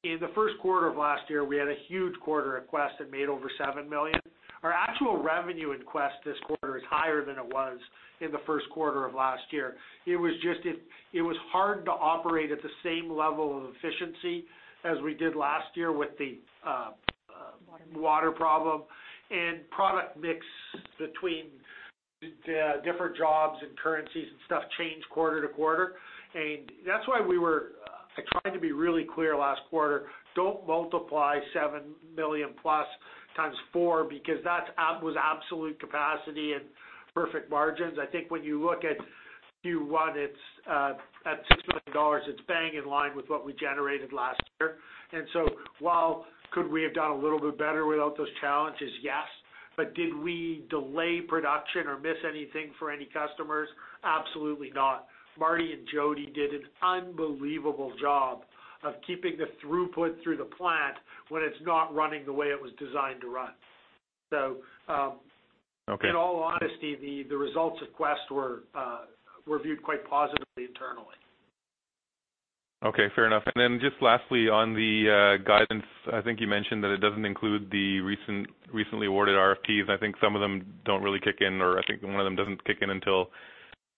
In the first quarter of last year, we had a huge quarter at Quest and made over 7 million. Our actual revenue in Quest this quarter is higher than it was in the first quarter of last year. It was hard to operate at the same level of efficiency as we did last year. Water Water problem, product mix between the different jobs and currencies and stuff change quarter to quarter. That's why we were trying to be really clear last quarter, don't multiply 7 million plus times four because that was absolute capacity and perfect margins. When you look at Q1, it's at 6 million dollars, it's bang in line with what we generated last year. While could we have done a little bit better without those challenges? Yes. Did we delay production or miss anything for any customers? Absolutely not. Marty and Jody did an unbelievable job of keeping the throughput through the plant when it's not running the way it was designed to run. Okay in all honesty, the results of Quest were viewed quite positively internally. Okay, fair enough. Just lastly on the guidance, I think you mentioned that it doesn't include the recently awarded RFPs. I think some of them don't really kick in or I think one of them doesn't kick in until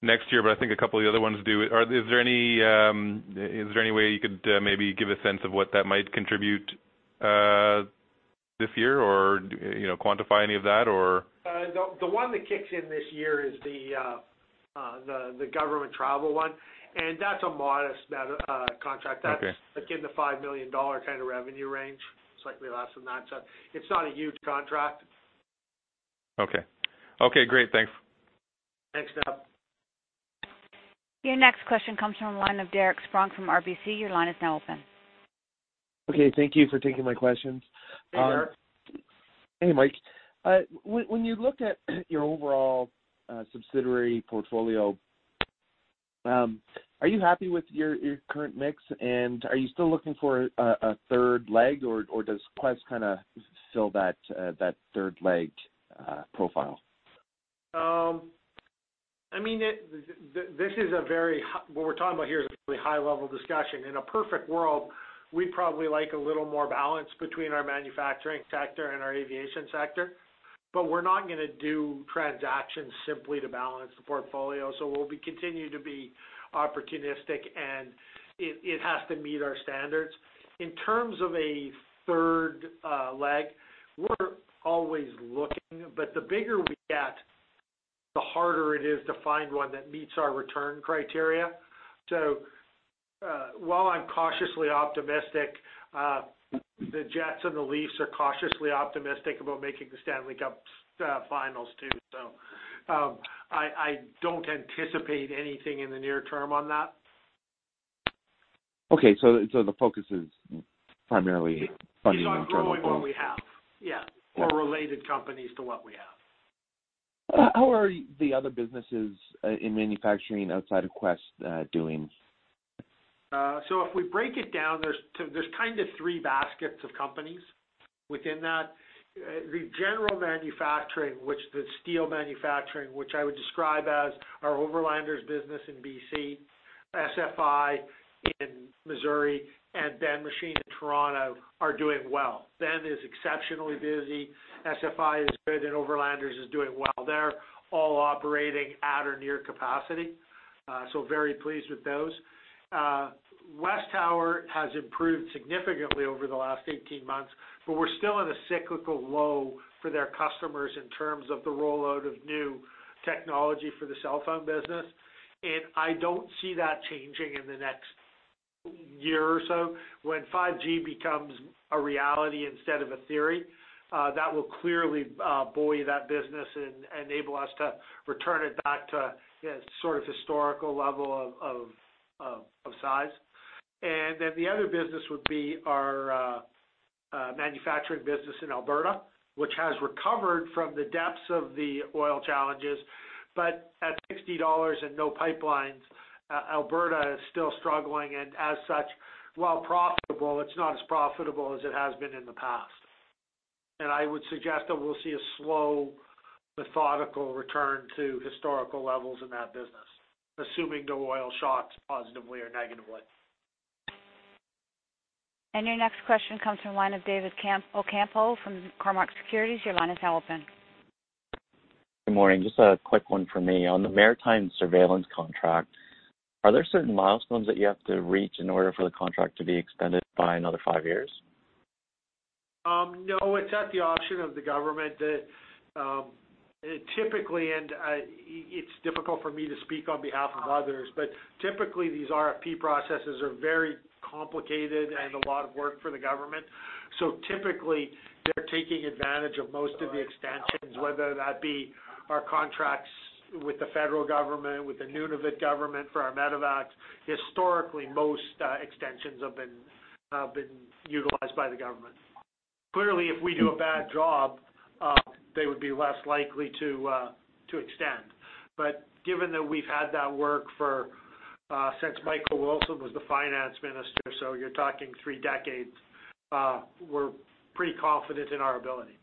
next year, but I think a couple of the other ones do. Is there any way you could maybe give a sense of what that might contribute this year or quantify any of that or? The one that kicks in this year is the government travel one, and that's a modest contract. Okay. That's like in the 5 million dollar kind of revenue range, slightly less than that. It's not a huge contract. Okay. Okay, great. Thanks. Thanks, Doug. Your next question comes from the line of Derek Spronck from RBC. Your line is now open. Okay. Thank you for taking my questions. Hey, Derek. Hey, Mike. When you looked at your overall subsidiary portfolio, are you happy with your current mix and are you still looking for a third leg or does Quest kind of fill that third leg profile? What we're talking about here is a really high-level discussion. In a perfect world, we'd probably like a little more balance between our manufacturing sector and our aviation sector. We're not going to do transactions simply to balance the portfolio. We'll be continuing to be opportunistic, and it has to meet our standards. In terms of a third leg, we're always looking, but the bigger we get, the harder it is to find one that meets our return criteria. While I'm cautiously optimistic, the Jets and the Leafs are cautiously optimistic about making the Stanley Cup finals too. I don't anticipate anything in the near term on that. Okay. The focus is primarily funding internal growth. It's on growing what we have. Yeah. Yeah. Related companies to what we have. How are the other businesses in manufacturing outside of Quest doing? If we break it down, there's kind of three baskets of companies within that. The general manufacturing, which the steel manufacturing, which I would describe as our Overlanders business in BC, SFI in Missouri, Machine in Toronto are doing well, is exceptionally busy. SFI is good and Overlanders is doing well. They're all operating at or near capacity. Very pleased with those. WesTower has improved significantly over the last 18 months, but we're still in a cyclical low for their customers in terms of the rollout of new technology for the cell phone business. I don't see that changing in the next year or so. When 5G becomes a reality instead of a theory, that will clearly buoy that business and enable us to return it back to its sort of historical level of size. The other business would be our manufacturing business in Alberta, which has recovered from the depths of the oil challenges, at 60 dollars and no pipelines, Alberta is still struggling. As such, while profitable, it's not as profitable as it has been in the past. I would suggest that we'll see a slow, methodical return to historical levels in that business, assuming no oil shocks, positively or negatively. Your next question comes from the line of David Ocampo from Cormark Securities. Your line is now open. Good morning. Just a quick one from me. On the maritime surveillance contract, are there certain milestones that you have to reach in order for the contract to be extended by another 5 years? No, it's at the option of the government. It's difficult for me to speak on behalf of others, typically these RFP processes are very complicated and a lot of work for the government. Typically, they're taking advantage of most of the extensions, whether that be our contracts with the federal government, with the Nunavut government for our Medevacs. Historically, most extensions have been utilized by the government. Clearly, if we do a bad job, they would be less likely to extend. Given that we've had that work since Michael Wilson was the finance minister, you're talking 3 decades, we're pretty confident in our ability.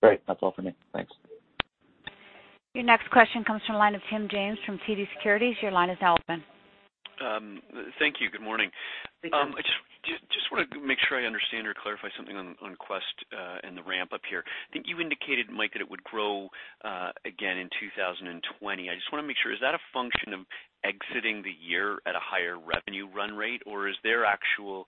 Great. That's all for me. Thanks. Your next question comes from the line of Tim James from TD Securities. Your line is now open. Thank you. Good morning. Good morning. I just want to make sure I understand or clarify something on Quest, and the ramp up here. I think you indicated, Mike, that it would grow again in 2020. I just want to make sure, is that a function of exiting the year at a higher revenue run rate, or is there actual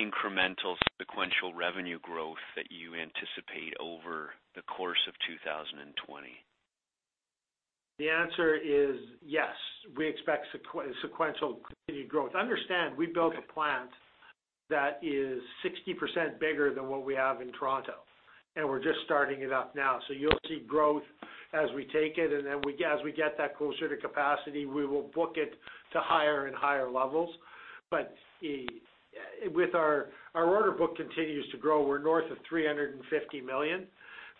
incremental sequential revenue growth that you anticipate over the course of 2020? The answer is yes. We expect sequential continued growth. Understand, we built a plant that is 60% bigger than what we have in Toronto, and we're just starting it up now. You'll see growth as we take it, and then as we get that closer to capacity, we will book it to higher and higher levels. Our order book continues to grow. We're north of 350 million,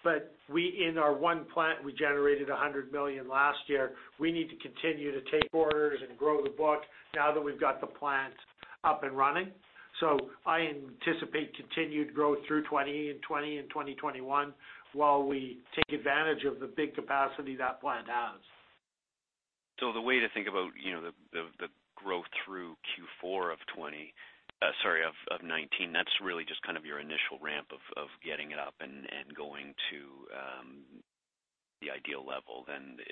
but in our one plant, we generated 100 million last year. We need to continue to take orders and grow the book now that we've got the plant up and running. I anticipate continued growth through 2020 and 2021 while we take advantage of the big capacity that plant has. The way to think about the growth through Q4 of 2019, that's really just your initial ramp of getting it up and going to the ideal level.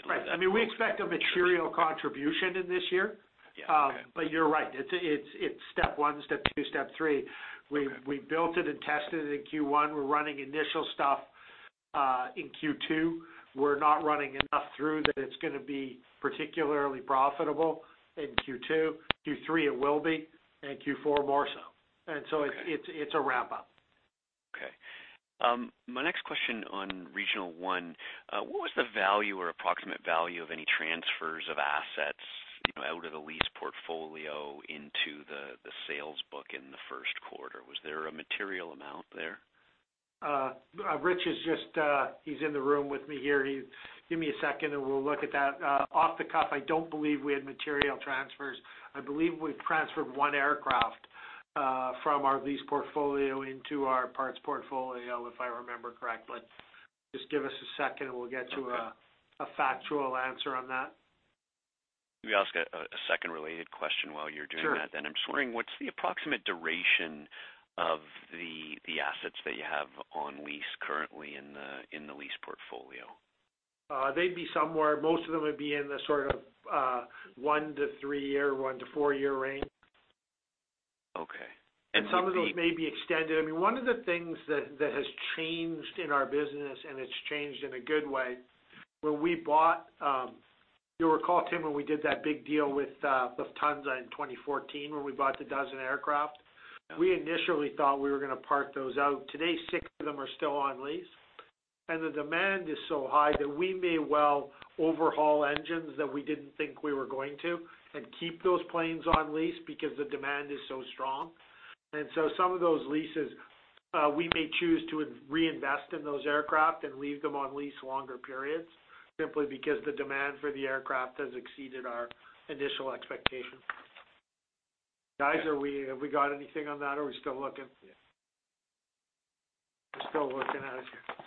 Right. We expect a material contribution in this year. Yeah. Okay. You're right. It's step 1, step 2, step 3. Okay. We built it and tested it in Q1. We're running initial stuff in Q2. We're not running enough through that it's going to be particularly profitable in Q2. Q3 it will be, and Q4 more so. Okay. It's a ramp up. Okay. My next question on Regional One, what was the value or approximate value of any transfers of assets, out of the lease portfolio into the sales book in the first quarter? Was there a material amount there? Rich is in the room with me here. Give me a second and we'll look at that. Off the cuff, I don't believe we had material transfers. I believe we transferred one aircraft from our lease portfolio into our parts portfolio, if I remember correctly. Just give us a second, and we'll get to. Okay A factual answer on that. Let me ask a second related question while you're doing that. Sure. I'm just wondering, what's the approximate duration of the assets that you have on lease currently in the lease portfolio? Most of them would be in the one to three year, one to four year range. Okay. Some of those may be extended. One of the things that has changed in our business, it's changed in a good way, you'll recall, Tim, when we did that big deal with Lufthansa in 2014 when we bought the dozen aircraft. We initially thought we were going to park those out. Today, six of them are still on lease. The demand is so high that we may well overhaul engines that we didn't think we were going to and keep those planes on lease because the demand is so strong. Some of those leases, we may choose to reinvest in those aircraft and leave them on lease longer periods simply because the demand for the aircraft has exceeded our initial expectations. Guys, have we got anything on that, or are we still looking? Yeah. We're still looking at it.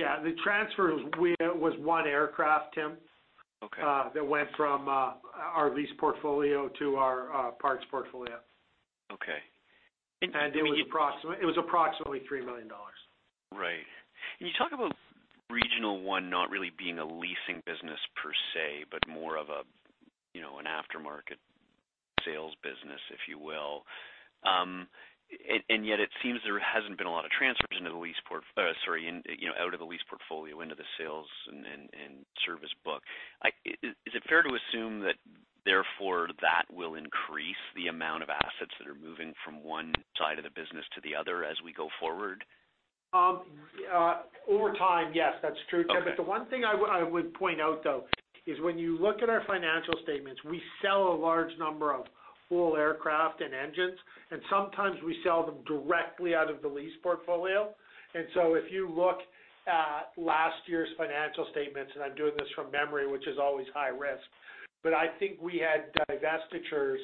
Yeah, the transfer was one aircraft, Tim. Okay that went from our lease portfolio to our parts portfolio. Okay. When you. It was approximately 3 million dollars. Right. You talk about Regional One not really being a leasing business per se, but more of an aftermarket sales business, if you will. Yet it seems there hasn't been a lot of transfers out of the lease portfolio into the sales and service book. Is it fair to assume that therefore that will increase the amount of assets that are moving from one side of the business to the other as we go forward? Over time, yes, that's true, Tim. Okay. The one thing I would point out, though, is when you look at our financial statements, we sell a large number of full aircraft and engines, and sometimes we sell them directly out of the lease portfolio. If you look at last year's financial statements, and I'm doing this from memory, which is always high risk, I think we had divestitures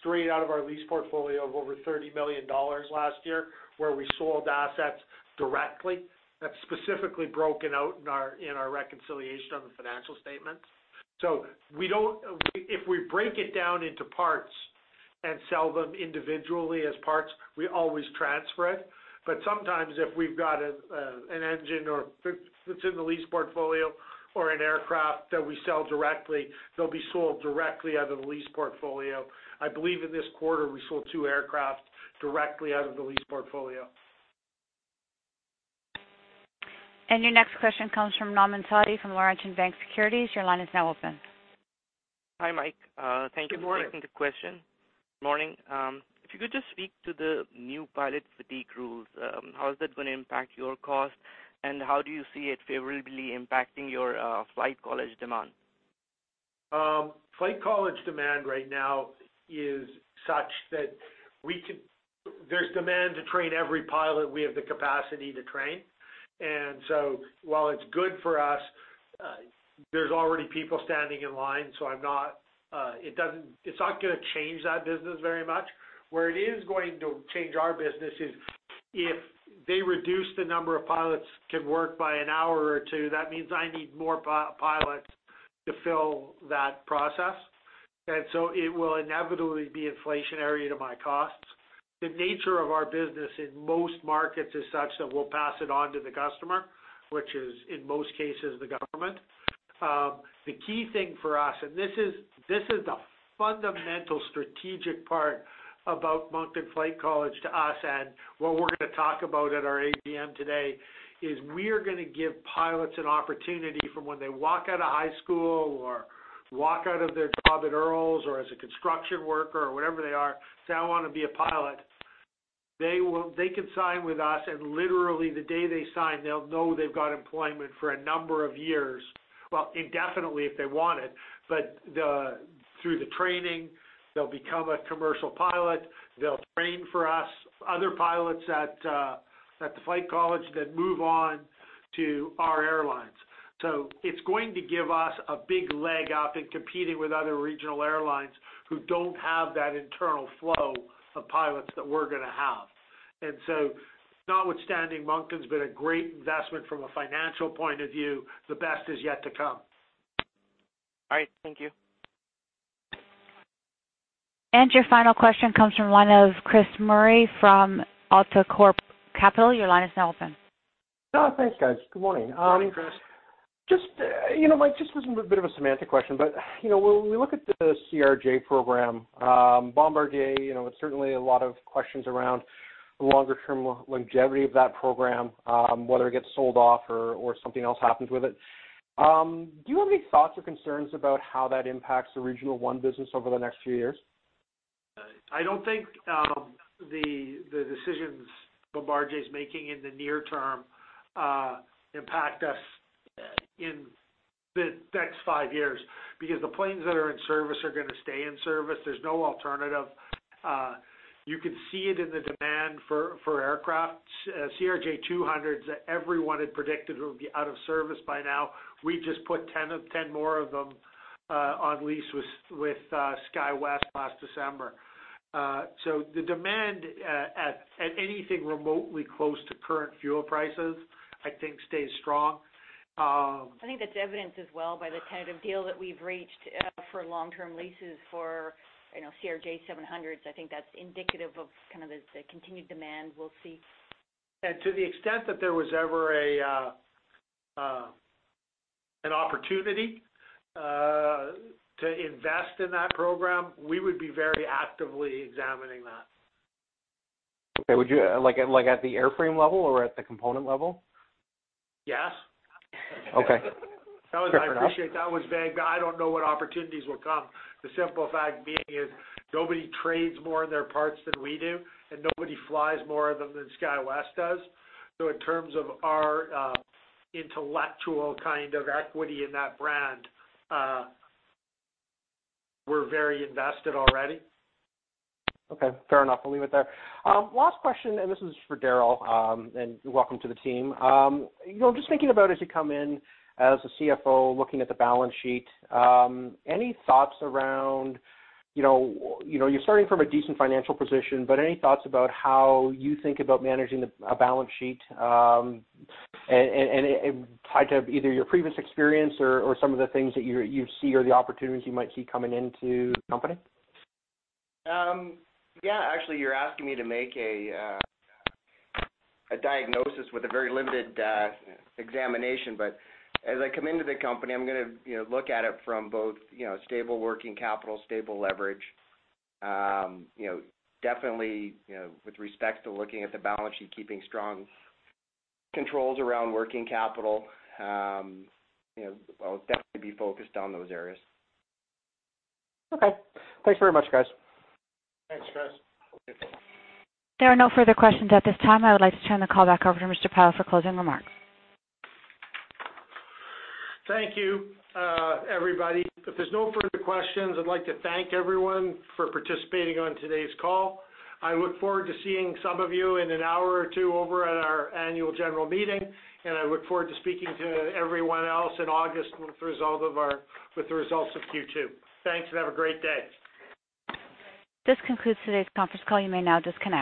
straight out of our lease portfolio of over 30 million dollars last year, where we sold assets directly. That's specifically broken out in our reconciliation on the financial statements. If we break it down into parts and sell them individually as parts, we always transfer it. Sometimes if we've got an engine or that's in the lease portfolio or an aircraft that we sell directly, they'll be sold directly out of the lease portfolio. I believe in this quarter, we sold two aircraft directly out of the lease portfolio. Your next question comes from Nauman Satti from Laurentian Bank Securities. Your line is now open. Hi, Mike. Thank you for- Good morning taking the question. Morning. If you could just speak to the new pilot fatigue rules, how is that going to impact your cost, and how do you see it favorably impacting your flight college demand? Flight college demand right now is such that there is demand to train every pilot we have the capacity to train. While it is good for us, there is already people standing in line, so it is not going to change that business very much. Where it is going to change our business is if they reduce the number of pilots can work by an hour or two. That means I need more pilots to fill that process. It will inevitably be inflationary to my costs. The nature of our business in most markets is such that we will pass it on to the customer, which is, in most cases, the government. The key thing for us, and this is the fundamental strategic part about Moncton Flight College to us, and what we are going to talk about at our AGM today, is we are going to give pilots an opportunity from when they walk out of high school or walk out of their job at Earls or as a construction worker or whatever they are, say, "I want to be a pilot." They can sign with us, and literally the day they sign, they will know they have got employment for a number of years. Well, indefinitely if they want it. Through the training, they will become a commercial pilot. They will train for us, other pilots at the flight college then move on to our airlines. It is going to give us a big leg up in competing with other regional airlines who do not have that internal flow of pilots that we are going to have. Notwithstanding Moncton has been a great investment from a financial point of view, the best is yet to come. All right. Thank you. Your final question comes from one of Chris Murray from AltaCorp Capital. Your line is now open. Thanks, guys. Good morning. Morning, Chris. Mike, just as a bit of a semantic question, but when we look at the CRJ program, Bombardier, certainly a lot of questions around the longer-term longevity of that program, whether it gets sold off or something else happens with it. Do you have any thoughts or concerns about how that impacts the Regional One business over the next few years? I don't think the decisions Bombardier's making in the near term impact us in the next 5 years because the planes that are in service are going to stay in service. There's no alternative. You can see it in the demand for aircraft. CRJ200s that everyone had predicted it would be out of service by now, we just put 10 more of them on lease with SkyWest last December. The demand at anything remotely close to current fuel prices, I think, stays strong. I think that's evidenced as well by the tentative deal that we've reached for long-term leases for CRJ700s. I think that's indicative of the continued demand we'll see. To the extent that there was ever an opportunity to invest in that program, we would be very actively examining that. Okay. At the airframe level or at the component level? Yes. Okay. I appreciate that was vague, I don't know what opportunities will come. The simple fact being is nobody trades more in their parts than we do, and nobody flies more of them than SkyWest does. In terms of our intellectual equity in that brand, we're very invested already. Okay, fair enough. I'll leave it there. Last question, this is for Darryl, and welcome to the team. Just thinking about as you come in as a CFO, looking at the balance sheet, you're starting from a decent financial position, any thoughts about how you think about managing a balance sheet, and tied to either your previous experience or some of the things that you see or the opportunities you might see coming into the company? Yeah. Actually, you're asking me to make a diagnosis with a very limited examination. As I come into the company, I'm going to look at it from both stable working capital, stable leverage. Definitely with respect to looking at the balance sheet, keeping strong controls around working capital. I'll definitely be focused on those areas. Okay. Thanks very much, guys. Thanks, Chris. There are no further questions at this time. I would like to turn the call back over to Mr. Pyle for closing remarks. Thank you everybody. If there's no further questions, I'd like to thank everyone for participating on today's call. I look forward to seeing some of you in an hour or two over at our annual general meeting, and I look forward to speaking to everyone else in August with the results of Q2. Thanks, and have a great day. This concludes today's conference call. You may now disconnect.